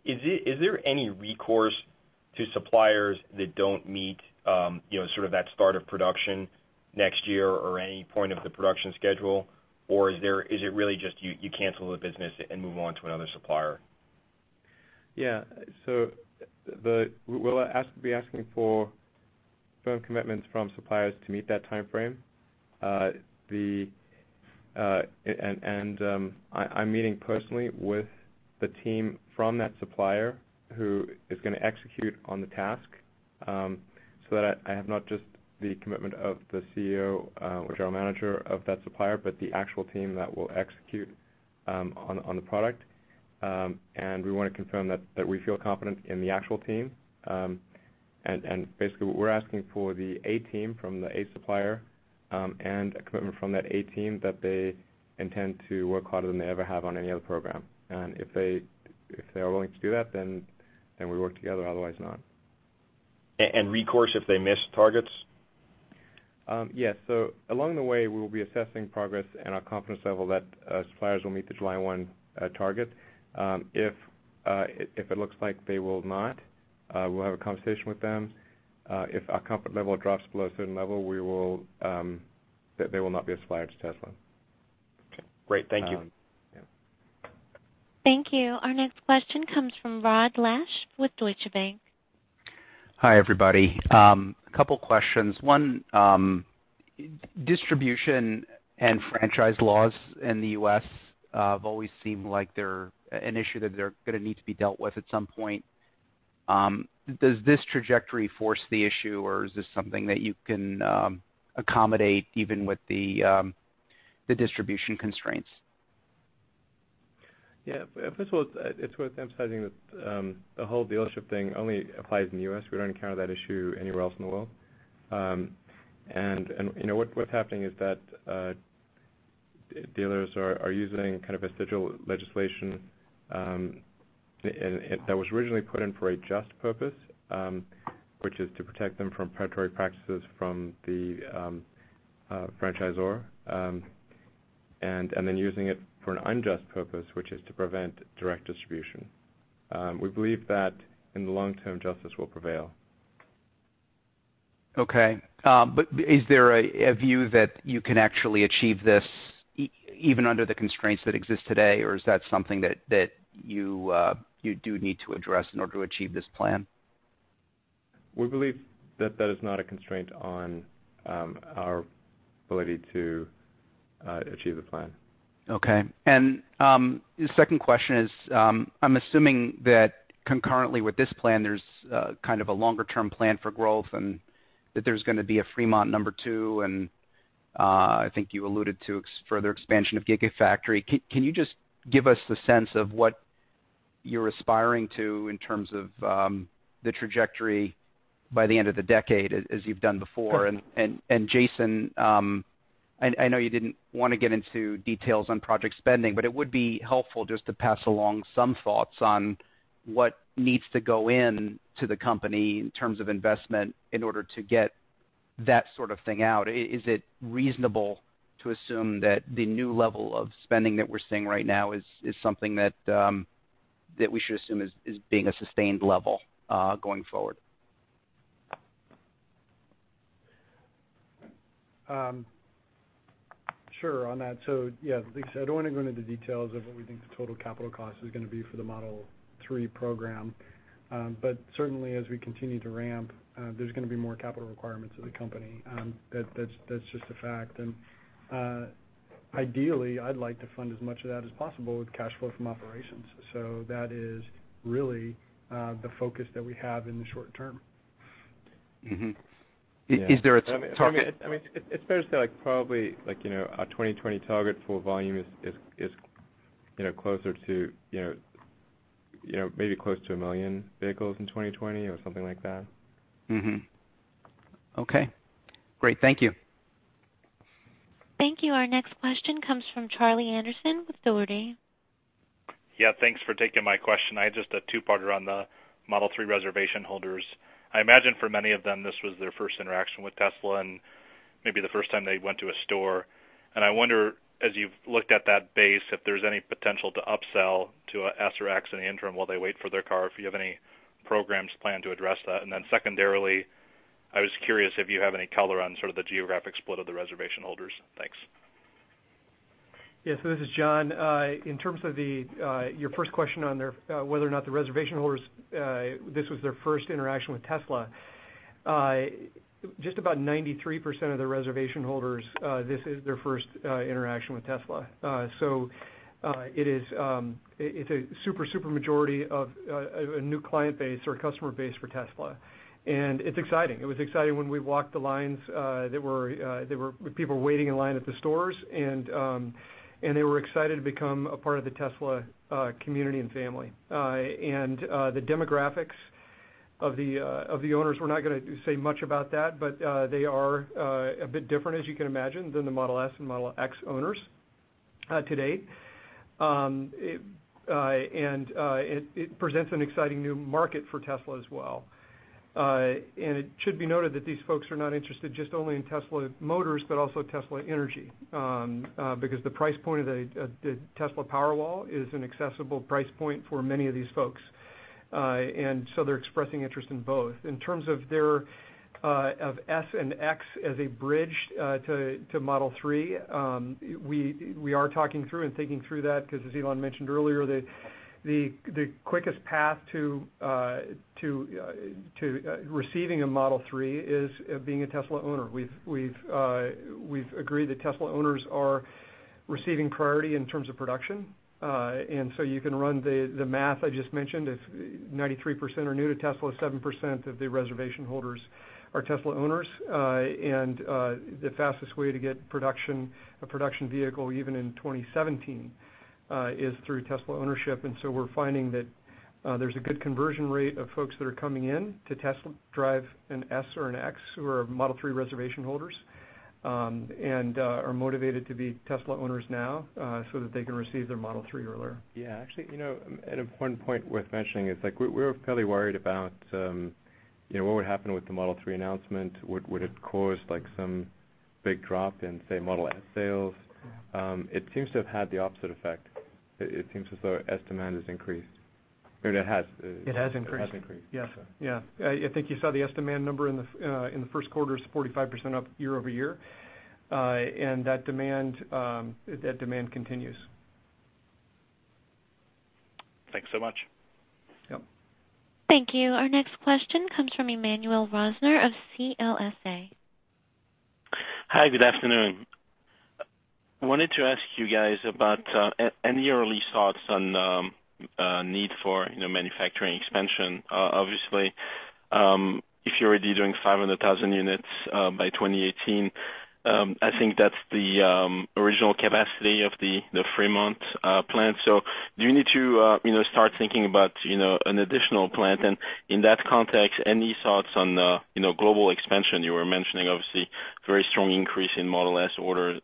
is there any recourse to suppliers that don't meet, you know, sort of that start of production next year or any point of the production schedule? Is there, is it really just you cancel the business and move on to another supplier? We'll be asking for firm commitments from suppliers to meet that timeframe. I'm meeting personally with the team from that supplier who is gonna execute on the task, so that I have not just the commitment of the CEO or general manager of that supplier, but the actual team that will execute on the product. We wanna confirm that we feel confident in the actual team. Basically what we're asking for the A team from the A supplier, and a commitment from that A team that they intend to work harder than they ever have on any other program. If they are willing to do that, then we work together, otherwise not. Recourse if they miss targets? Yes. Along the way, we will be assessing progress and our confidence level that suppliers will meet the July 1 target. If it looks like they will not, we'll have a conversation with them. If our comfort level drops below a certain level, we will that they will not be a supplier to Tesla. Okay. Great. Thank you. Yeah. Thank you. Our next question comes from Rod Lache with Deutsche Bank. Hi, everybody. Couple questions. One, distribution and franchise laws in the U.S. have always seemed like they're an issue that they're gonna need to be dealt with at some point. Does this trajectory force the issue, or is this something that you can accommodate even with the distribution constraints? Yeah. First of all, it's worth emphasizing that the whole dealership thing only applies in the U.S. We don't encounter that issue anywhere else in the world. You know, what's happening is that dealers are using kind of a residual legislation, and that was originally put in for a just purpose, which is to protect them from predatory practices from the franchisor, and then using it for an unjust purpose, which is to prevent direct distribution. We believe that in the long term, justice will prevail. Okay. Is there a view that you can actually achieve this even under the constraints that exist today, or is that something that you do need to address in order to achieve this plan? We believe that that is not a constraint on our ability to achieve the plan. Okay. The second question is, I'm assuming that concurrently with this plan, there's kind of a longer-term plan for growth and that there's gonna be a Fremont number two, and I think you alluded to further expansion of Gigafactory. Can you just give us the sense of what you're aspiring to in terms of the trajectory by the end of the decade as you've done before? Jason, I know you didn't wanna get into details on project spending, but it would be helpful just to pass along some thoughts on what needs to go into the company in terms of investment in order to get that sort of thing out. Is it reasonable to assume that the new level of spending that we're seeing right now is something that we should assume is being a sustained level going forward? Sure on that. Yeah, like I said, I don't wanna go into the details of what we think the total capital cost is gonna be for the Model 3 program. But certainly as we continue to ramp, there's gonna be more capital requirements of the company. That's just a fact. Ideally, I'd like to fund as much of that as possible with cash flow from operations. That is really the focus that we have in the short term. Yeah. Is there a target? I mean, it's fair to say like probably like, you know, our 2020 target for volume is, you know, closer to, you know, maybe close to 1 million vehicles in 2020 or something like that. Mm-hmm. Okay, great. Thank you. Thank you. Our next question comes from Charlie Anderson with Dougherty. Yeah, thanks for taking my question. I had just a two-parter on the Model 3 reservation holders. I imagine for many of them, this was their first interaction with Tesla and maybe the first time they went to a store. I wonder, as you've looked at that base, if there's any potential to upsell to a S or X in the interim while they wait for their car, if you have any programs planned to address that. Secondarily, I was curious if you have any color on sort of the geographic split of the reservation holders. Thanks. Yes, this is Jon McNeill. In terms of your first question on there, whether or not the reservation holders, this was their first interaction with Tesla. Just about 93% of the reservation holders, this is their first interaction with Tesla. It is, it's a super majority of a new client base or customer base for Tesla. It's exciting. It was exciting when we walked the lines, there were people waiting in line at the stores and they were excited to become a part of the Tesla community and family. The demographics of the owners, we're not gonna say much about that, but they are a bit different, as you can imagine, than the Model S and Model X owners to date. It presents an exciting new market for Tesla as well. It should be noted that these folks are not interested just only in Tesla Motors, but also Tesla Energy, because the price point of the Tesla Powerwall is an accessible price point for many of these folks. They're expressing interest in both. In terms of their of S and X as a bridge to Model 3, we are talking through and thinking through that 'cause as Elon mentioned earlier, the quickest path to receiving a Model 3 is being a Tesla owner. We've agreed that Tesla owners are receiving priority in terms of production. You can run the math I just mentioned. If 93% are new to Tesla, 7% of the reservation holders are Tesla owners. The fastest way to get production, a production vehicle, even in 2017, is through Tesla ownership. We're finding that there's a good conversion rate of folks that are coming in to Tesla to drive an S or an X who are Model 3 reservation holders, and are motivated to be Tesla owners now, so that they can receive their Model 3 earlier. Yeah, actually, you know, an important point worth mentioning is like we were fairly worried about, you know, what would happen with the Model 3 announcement. Would it cause like some big drop in, say, Model S sales? It seems to have had the opposite effect. It seems as though S demand has increased. I mean, it has. It has increased. It has increased. Yeah. Yeah. I think you saw the S demand number in the first quarter is 45% up year-over-year. That demand continues. Thanks so much. Yep. Thank you. Our next question comes from Emmanuel Rosner of CLSA. Hi, good afternoon. I wanted to ask you guys about any early thoughts on need for, you know, manufacturing expansion. Obviously, if you're already doing 500,000 units by 2018, I think that's the original capacity of the Fremont plant. Do you need to, you know, start thinking about, you know, an additional plant? In that context, any thoughts on, you know, global expansion? You were mentioning obviously very strong increase in Model S order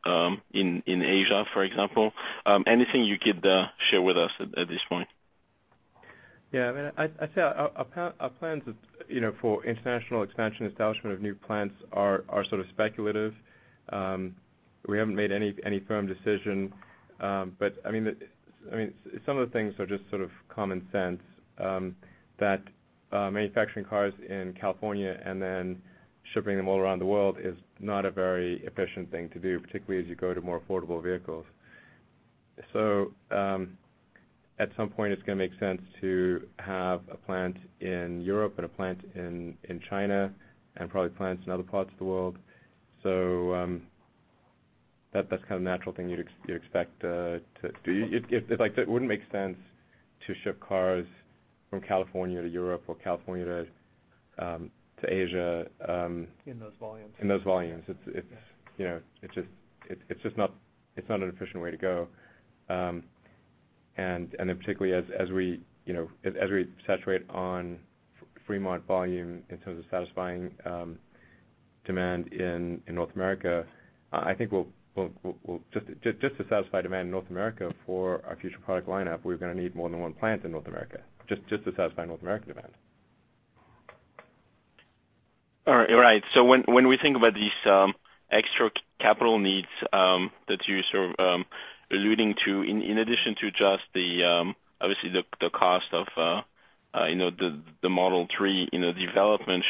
in Asia, for example. Anything you could share with us at this point? I mean, I'd say our plan, our plans, you know, for international expansion, establishment of new plants are sort of speculative. We haven't made any firm decision. I mean, the, I mean, some of the things are just sort of common sense, that manufacturing cars in California and then shipping them all around the world is not a very efficient thing to do, particularly as you go to more affordable vehicles. At some point, it's gonna make sense to have a plant in Europe and a plant in China, and probably plants in other parts of the world. That's kind of natural thing you'd expect, to It, like it wouldn't make sense to ship cars from California to Europe or California to Asia. In those volumes. In those volumes. It's, you know, it's just not, it's not an efficient way to go. Particularly as we, you know, as we saturate on Fremont volume in terms of satisfying demand in North America, I think we'll just to satisfy demand in North America for our future product lineup, we're gonna need more than one plant in North America, just to satisfy North American demand. All right. When we think about these extra capital needs that you sort of alluding to in addition to just the obviously the cost of, you know, the Model 3, you know, development,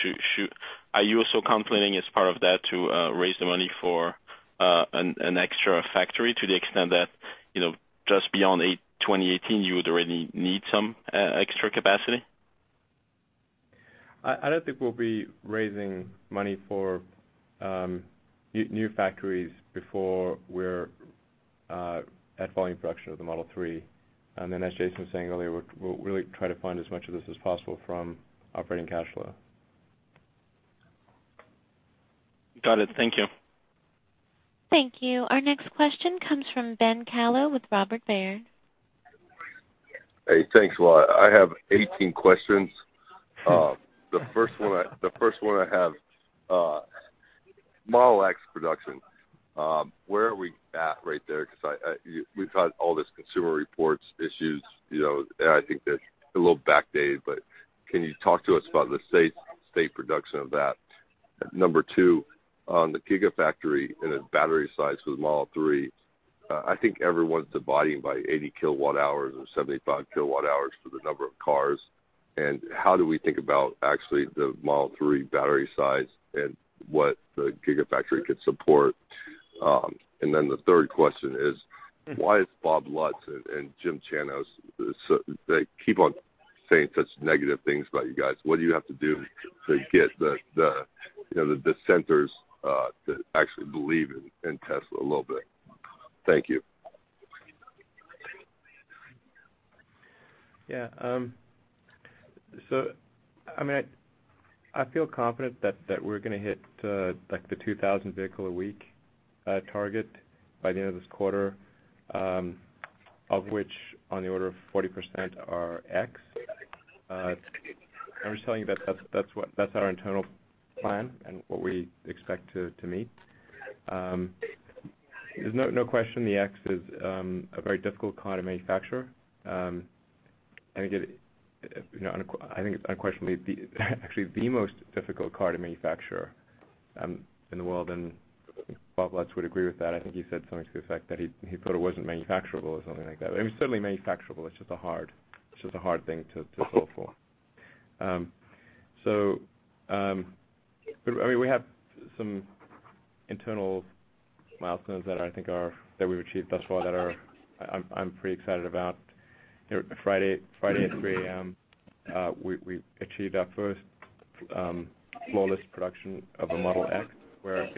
are you also contemplating as part of that to raise the money for an extra factory to the extent that, you know, just beyond 2018 you would already need some extra capacity? I don't think we'll be raising money for new factories before we're at volume production of the Model 3. As Jason was saying earlier, we'll really try to fund as much of this as possible from operating cash flow. Got it. Thank you. Thank you. Our next question comes from Ben Kallo with Robert Baird. Hey, thanks a lot. I have 18 questions. The first one I have, Model X production. Where are we at right there? Because we've had all this Consumer Reports issues, you know, I think they're a little backdated, can you talk to us about the state production of that? Number two, on the Gigafactory and the battery size for the Model 3, I think everyone's dividing by 80 kWh or 75 kWh for the number of cars. How do we think about actually the Model 3 battery size and what the Gigafactory could support? The third question is. Why is Bob Lutz and Jim Chanos, they keep on saying such negative things about you guys? What do you have to do to get the, you know, the dissenters to actually believe in Tesla a little bit? Thank you. Yeah. I mean, I feel confident that we're gonna hit the like the 2,000 vehicle a week target by the end of this quarter, of which on the order of 40% are X. I'm just telling you that's our internal plan and what we expect to meet. There's no question the X is a very difficult car to manufacture. I think it, you know, I think it's unquestionably the actually the most difficult car to manufacture in the world, Bob Lutz would agree with that. I think he said something to the effect that he thought it wasn't manufacturable or something like that. I mean, it's certainly manufacturable, it's just a hard thing to solve for. I mean, we have some internal milestones that we've achieved thus far that I'm pretty excited about. You know, Friday at 3 A.M., we achieved our first flawless production of a Model X, where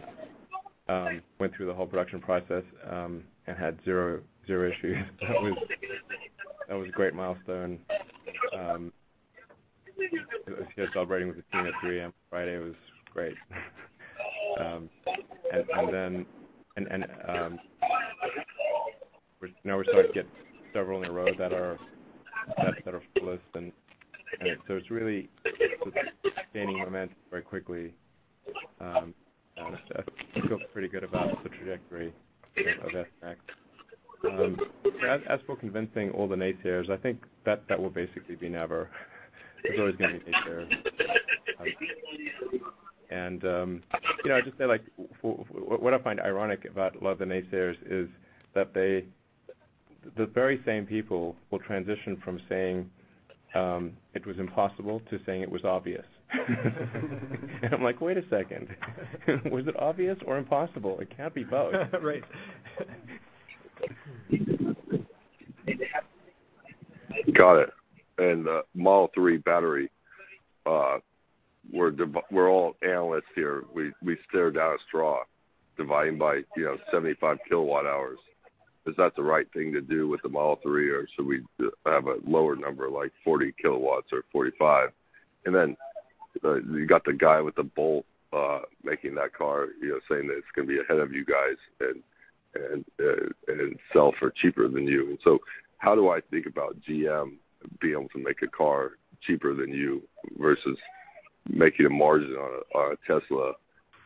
went through the whole production process and had zero issues. That was a great milestone. Celebrating with the team at 3 A.M. Friday was great. Now we're starting to get several in a row that are flawless and it's really gaining momentum very quickly. I feel pretty good about the trajectory of that X. As for convincing all the naysayers, I think that will basically be never. There's always gonna be naysayers. You know, I'll just say like what I find ironic about a lot of the naysayers is that they, the very same people will transition from saying it was impossible to saying it was obvious. I'm like, "Wait a second, was it obvious or impossible? It can't be both. Right. Got it. Model 3 battery, we're all analysts here. We stare down a straw dividing by, you know, 75 kWh. Is that the right thing to do with the Model 3, or should we have a lower number like 40 kWh or 45 kWh? Then, you got the guy with the Bolt making that car, you know, saying that it's gonna be ahead of you guys and then sell for cheaper than you. How do I think about GM being able to make a car cheaper than you versus making a margin on a Tesla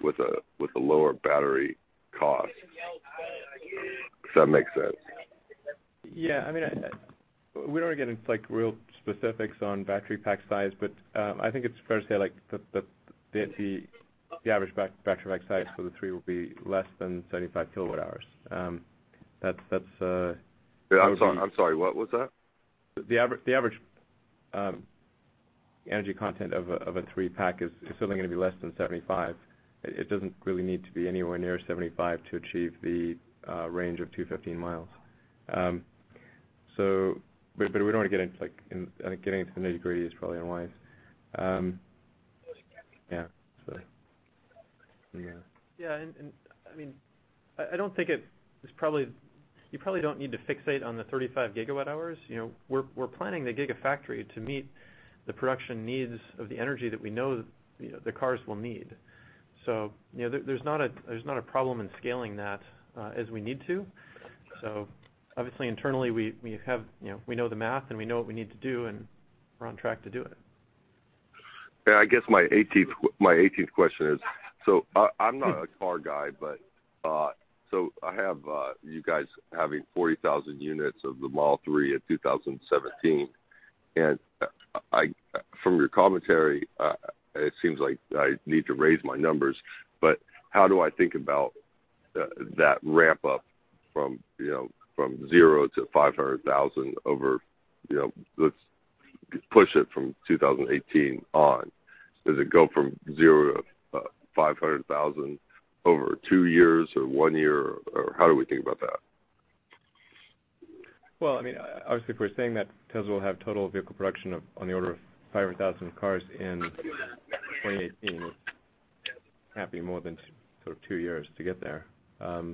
with a lower battery cost? Does that make sense? Yeah, I mean, we don't wanna get into real specifics on battery pack size, but I think it's fair to say the average battery pack size for the three will be less than 75 kWh. I'm sorry. What was that? The average energy content of a three pack is certainly gonna be less than 75 kWh. It doesn't really need to be anywhere near 75 kWh to achieve the range of 215 miles. Getting into the nitty-gritty is probably unwise. I mean, I don't think you probably don't need to fixate on the 35 GWh. You know, we're planning the Gigafactory to meet the production needs of the energy that we know, you know, the cars will need. You know, there's not a problem in scaling that as we need to. Obviously internally, we have, you know, we know the math and we know what we need to do, and we're on track to do it. I guess my 18th question is, I'm not a car guy, but I have you guys having 40,000 units of the Model 3 in 2017. I, from your commentary, it seems like I need to raise my numbers. How do I think about that ramp up from, you know, from zero to 500,000 over, you know, let's push it from 2018 on? Does it go from zero to 500,000 over two years or one year? How do we think about that? Well, I mean, obviously, if we're saying that Tesla will have total vehicle production of on the order of 500,000 cars in 2018, can't be more than sort of two years to get there. Now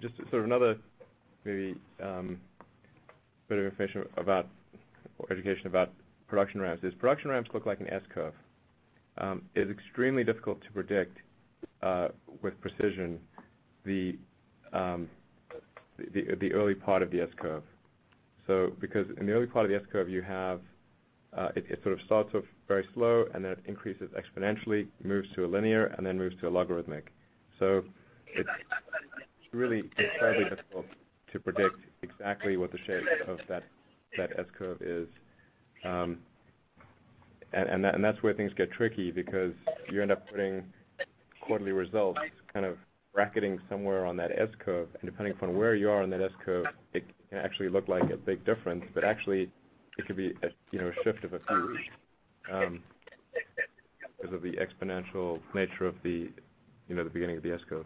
just sort of another maybe bit of information about or education about production ramps is production ramps look like an S curve. It's extremely difficult to predict with precision, the early part of the S curve. Because in the early part of the S curve, you have it sort of starts off very slow and then it increases exponentially, moves to a linear, and then moves to a logarithmic. It's really incredibly difficult to predict exactly what the shape of that S curve is. That's where things get tricky because you end up putting quarterly results kind of bracketing somewhere on that S-curve, and depending upon where you are on that S-curve, it can actually look like a big difference. Actually, it could be a, you know, shift of a few because of the exponential nature of the, you know, the beginning of the S-curve.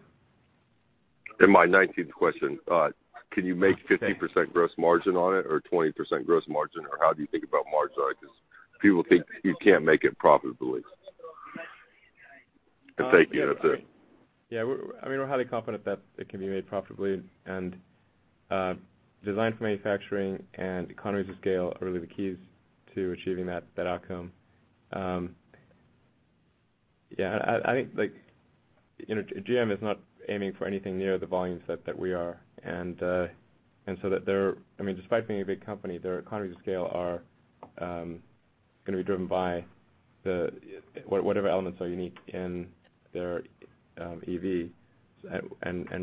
My 19th question. Thank you. 50% gross margin on it or 20% gross margin, or how do you think about margin on it? 'Cause people think you can't make it profitably. I'm taking it up there. I mean, we're highly confident that it can be made profitably and design for manufacturing and economies of scale are really the keys to achieving that outcome. I think like, you know, GM is not aiming for anything near the volumes that we are. I mean, despite being a big company, their economies of scale are gonna be driven by whatever elements are unique in their EVs.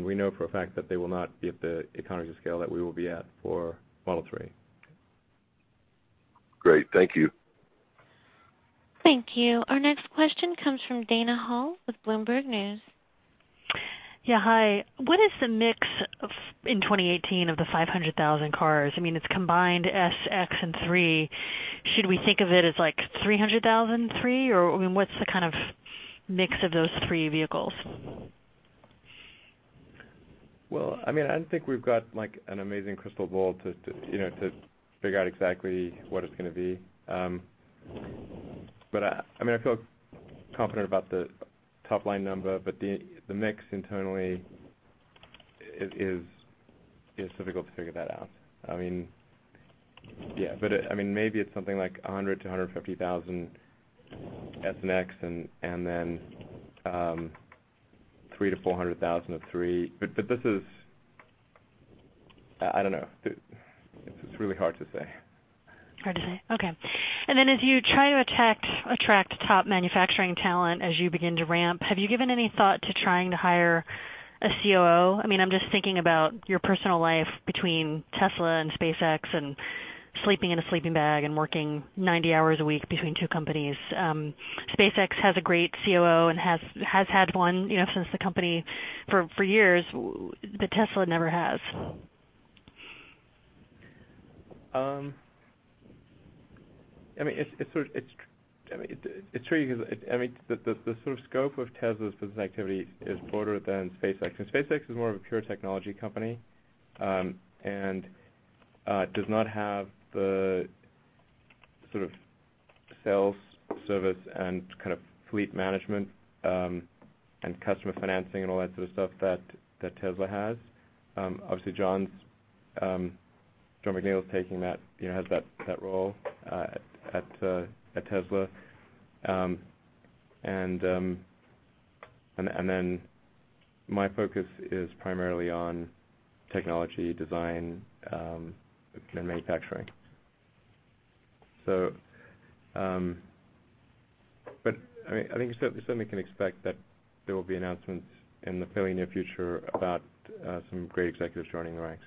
We know for a fact that they will not be at the economies of scale that we will be at for Model 3. Great. Thank you. Thank you. Our next question comes from Dana Hull with Bloomberg News. Yeah, hi. What is the mix of, in 2018 of the 500,000 cars? I mean, it's combined S, X, and 3. Should we think of it as like 300,000 3, or, I mean, what's the kind of mix of those three vehicles? Well, I mean, I don't think we've got like an amazing crystal ball to, you know, to figure out exactly what it's gonna be. I feel confident about the top-line number, but the mix internally is difficult to figure that out. Maybe it's something like 100,000-150,000 S and X and then, 300,000-400,000 of three. This is I don't know. It's really hard to say. Hard to say. Okay. As you try to attract top manufacturing talent as you begin to ramp, have you given any thought to trying to hire a COO? I mean, I'm just thinking about your personal life between Tesla and SpaceX and sleeping in a sleeping bag and working 90 hours a week between two companies. SpaceX has a great COO and has had one, you know, since the company for years, but Tesla never has. I mean, it's sort of, I mean, it's true because, I mean, the sort of scope of Tesla's business activity is broader than SpaceX. SpaceX is more of a pure technology company, and does not have the sort of sales service and kind of fleet management, and customer financing and all that sort of stuff that Tesla has. Obviously, Jon McNeill is taking that, you know, has that role at Tesla. My focus is primarily on technology, design, and manufacturing. I mean, I think you certainly can expect that there will be announcements in the fairly near future about some great executives joining the ranks.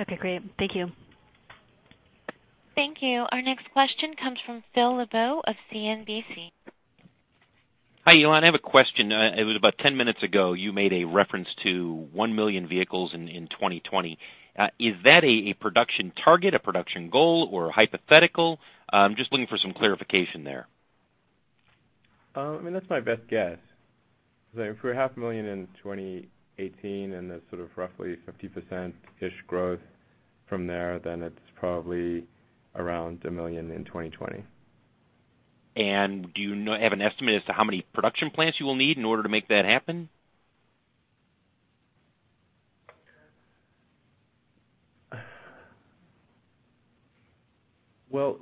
Okay, great. Thank you. Thank you. Our next question comes from Phil LeBeau of CNBC. Hi, Elon. I have a question. It was about 10 minutes ago, you made a reference to 1 million vehicles in 2020. Is that a production target, a production goal, or a hypothetical? Just looking for some clarification there. I mean, that's my best guess. If we're half a million in 2018 and there's sort of roughly 50%-ish growth from there, then it's probably around a million in 2020. Have an estimate as to how many production plants you will need in order to make that happen? Well,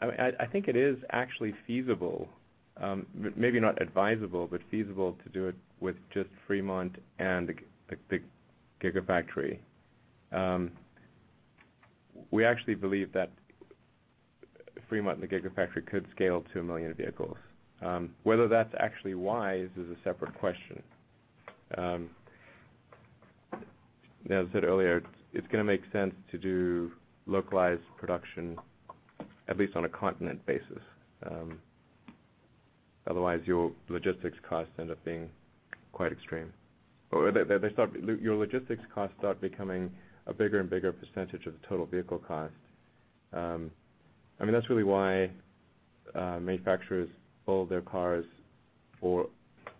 I think it is actually feasible, maybe not advisable, but feasible to do it with just Fremont and the Gigafactory. We actually believe that Fremont and the Gigafactory could scale to a million vehicles. Whether that's actually wise is a separate question. As I said earlier, it's gonna make sense to do localized production, at least on a continent basis. Otherwise, your logistics costs end up being quite extreme. Your logistics costs start becoming a bigger and bigger percentage of the total vehicle cost. I mean, that's really why manufacturers build their cars for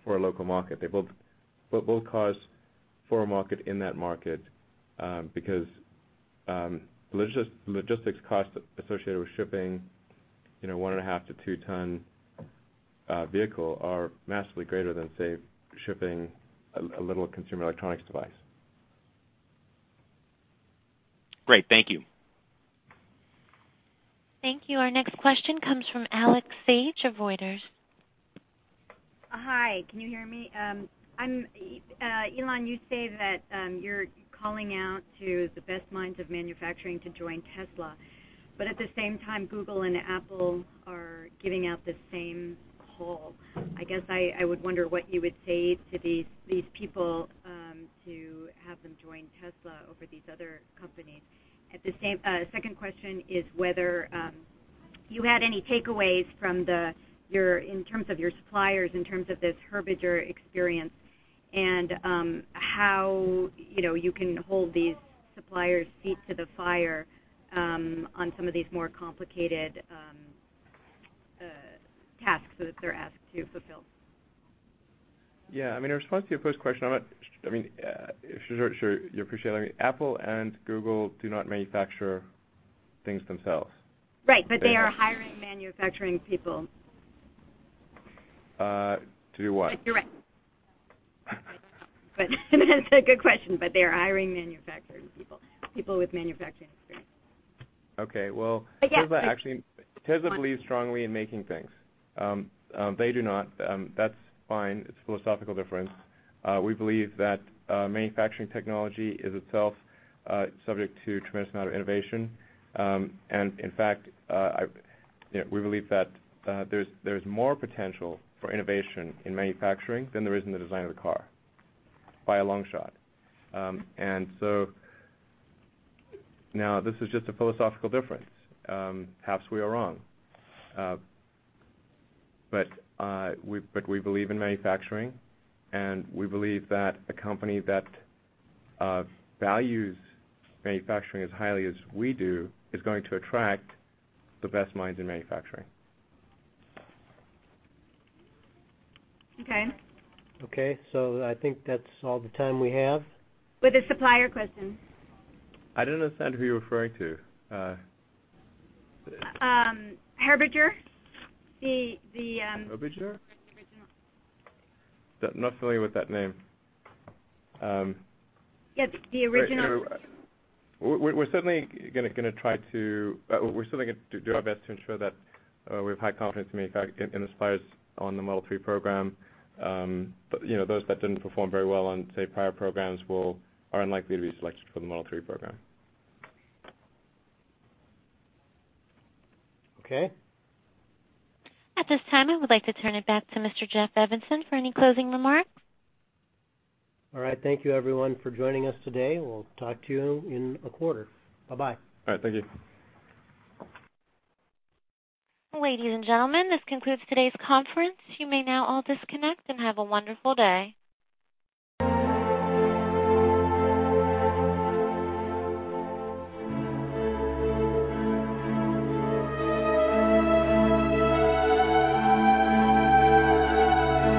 a local market. They build cars for a market in that market, because logistics costs associated with shipping, you know, 1.5-2 ton vehicle are massively greater than, say, shipping a little consumer electronics device. Great. Thank you. Thank you. Our next question comes from Alexandria Sage of Reuters. Hi, can you hear me? Elon, you say that you're calling out to the best minds of manufacturing to join Tesla, but at the same time, Google and Apple are giving out the same call. I guess I would wonder what you would say to these people to have them join Tesla over these other companies. Second question is whether you had any takeaways from your in terms of your suppliers, in terms of this HOERBIGER experience and, how, you know, you can hold these suppliers' feet to the fire on some of these more complicated tasks that they're asked to fulfill? I mean, in response to your first question, I mean, sure, you appreciate that Apple and Google do not manufacture things themselves. Right. They are hiring manufacturing people. To do what? That's correct. That's a good question. They are hiring manufacturing people with manufacturing experience. Okay. Again- Tesla believes strongly in making things. They do not. That's fine. It's a philosophical difference. We believe that manufacturing technology is itself subject to a tremendous amount of innovation. In fact, we believe that there's more potential for innovation in manufacturing than there is in the design of the car, by a long shot. Now this is just a philosophical difference. Perhaps we are wrong. We believe in manufacturing, and we believe that a company that values manufacturing as highly as we do is going to attract the best minds in manufacturing. Okay. Okay. I think that's all the time we have. With the supplier question. I don't understand who you're referring to. Hoerbiger. Hoerbiger? The original. Not familiar with that name. It's the original. We're certainly gonna do our best to ensure that we have high confidence in manufacturing and suppliers on the Model 3 program. You know, those that didn't perform very well on, say, prior programs are unlikely to be selected for the Model 3 program. Okay. At this time, I would like to turn it back to Mr. Jeff Evanson for any closing remarks. All right. Thank you everyone for joining us today. We'll talk to you in a quarter. Bye-bye. All right. Thank you. Ladies and gentlemen, this concludes today's conference. You may now all disconnect and have a wonderful day.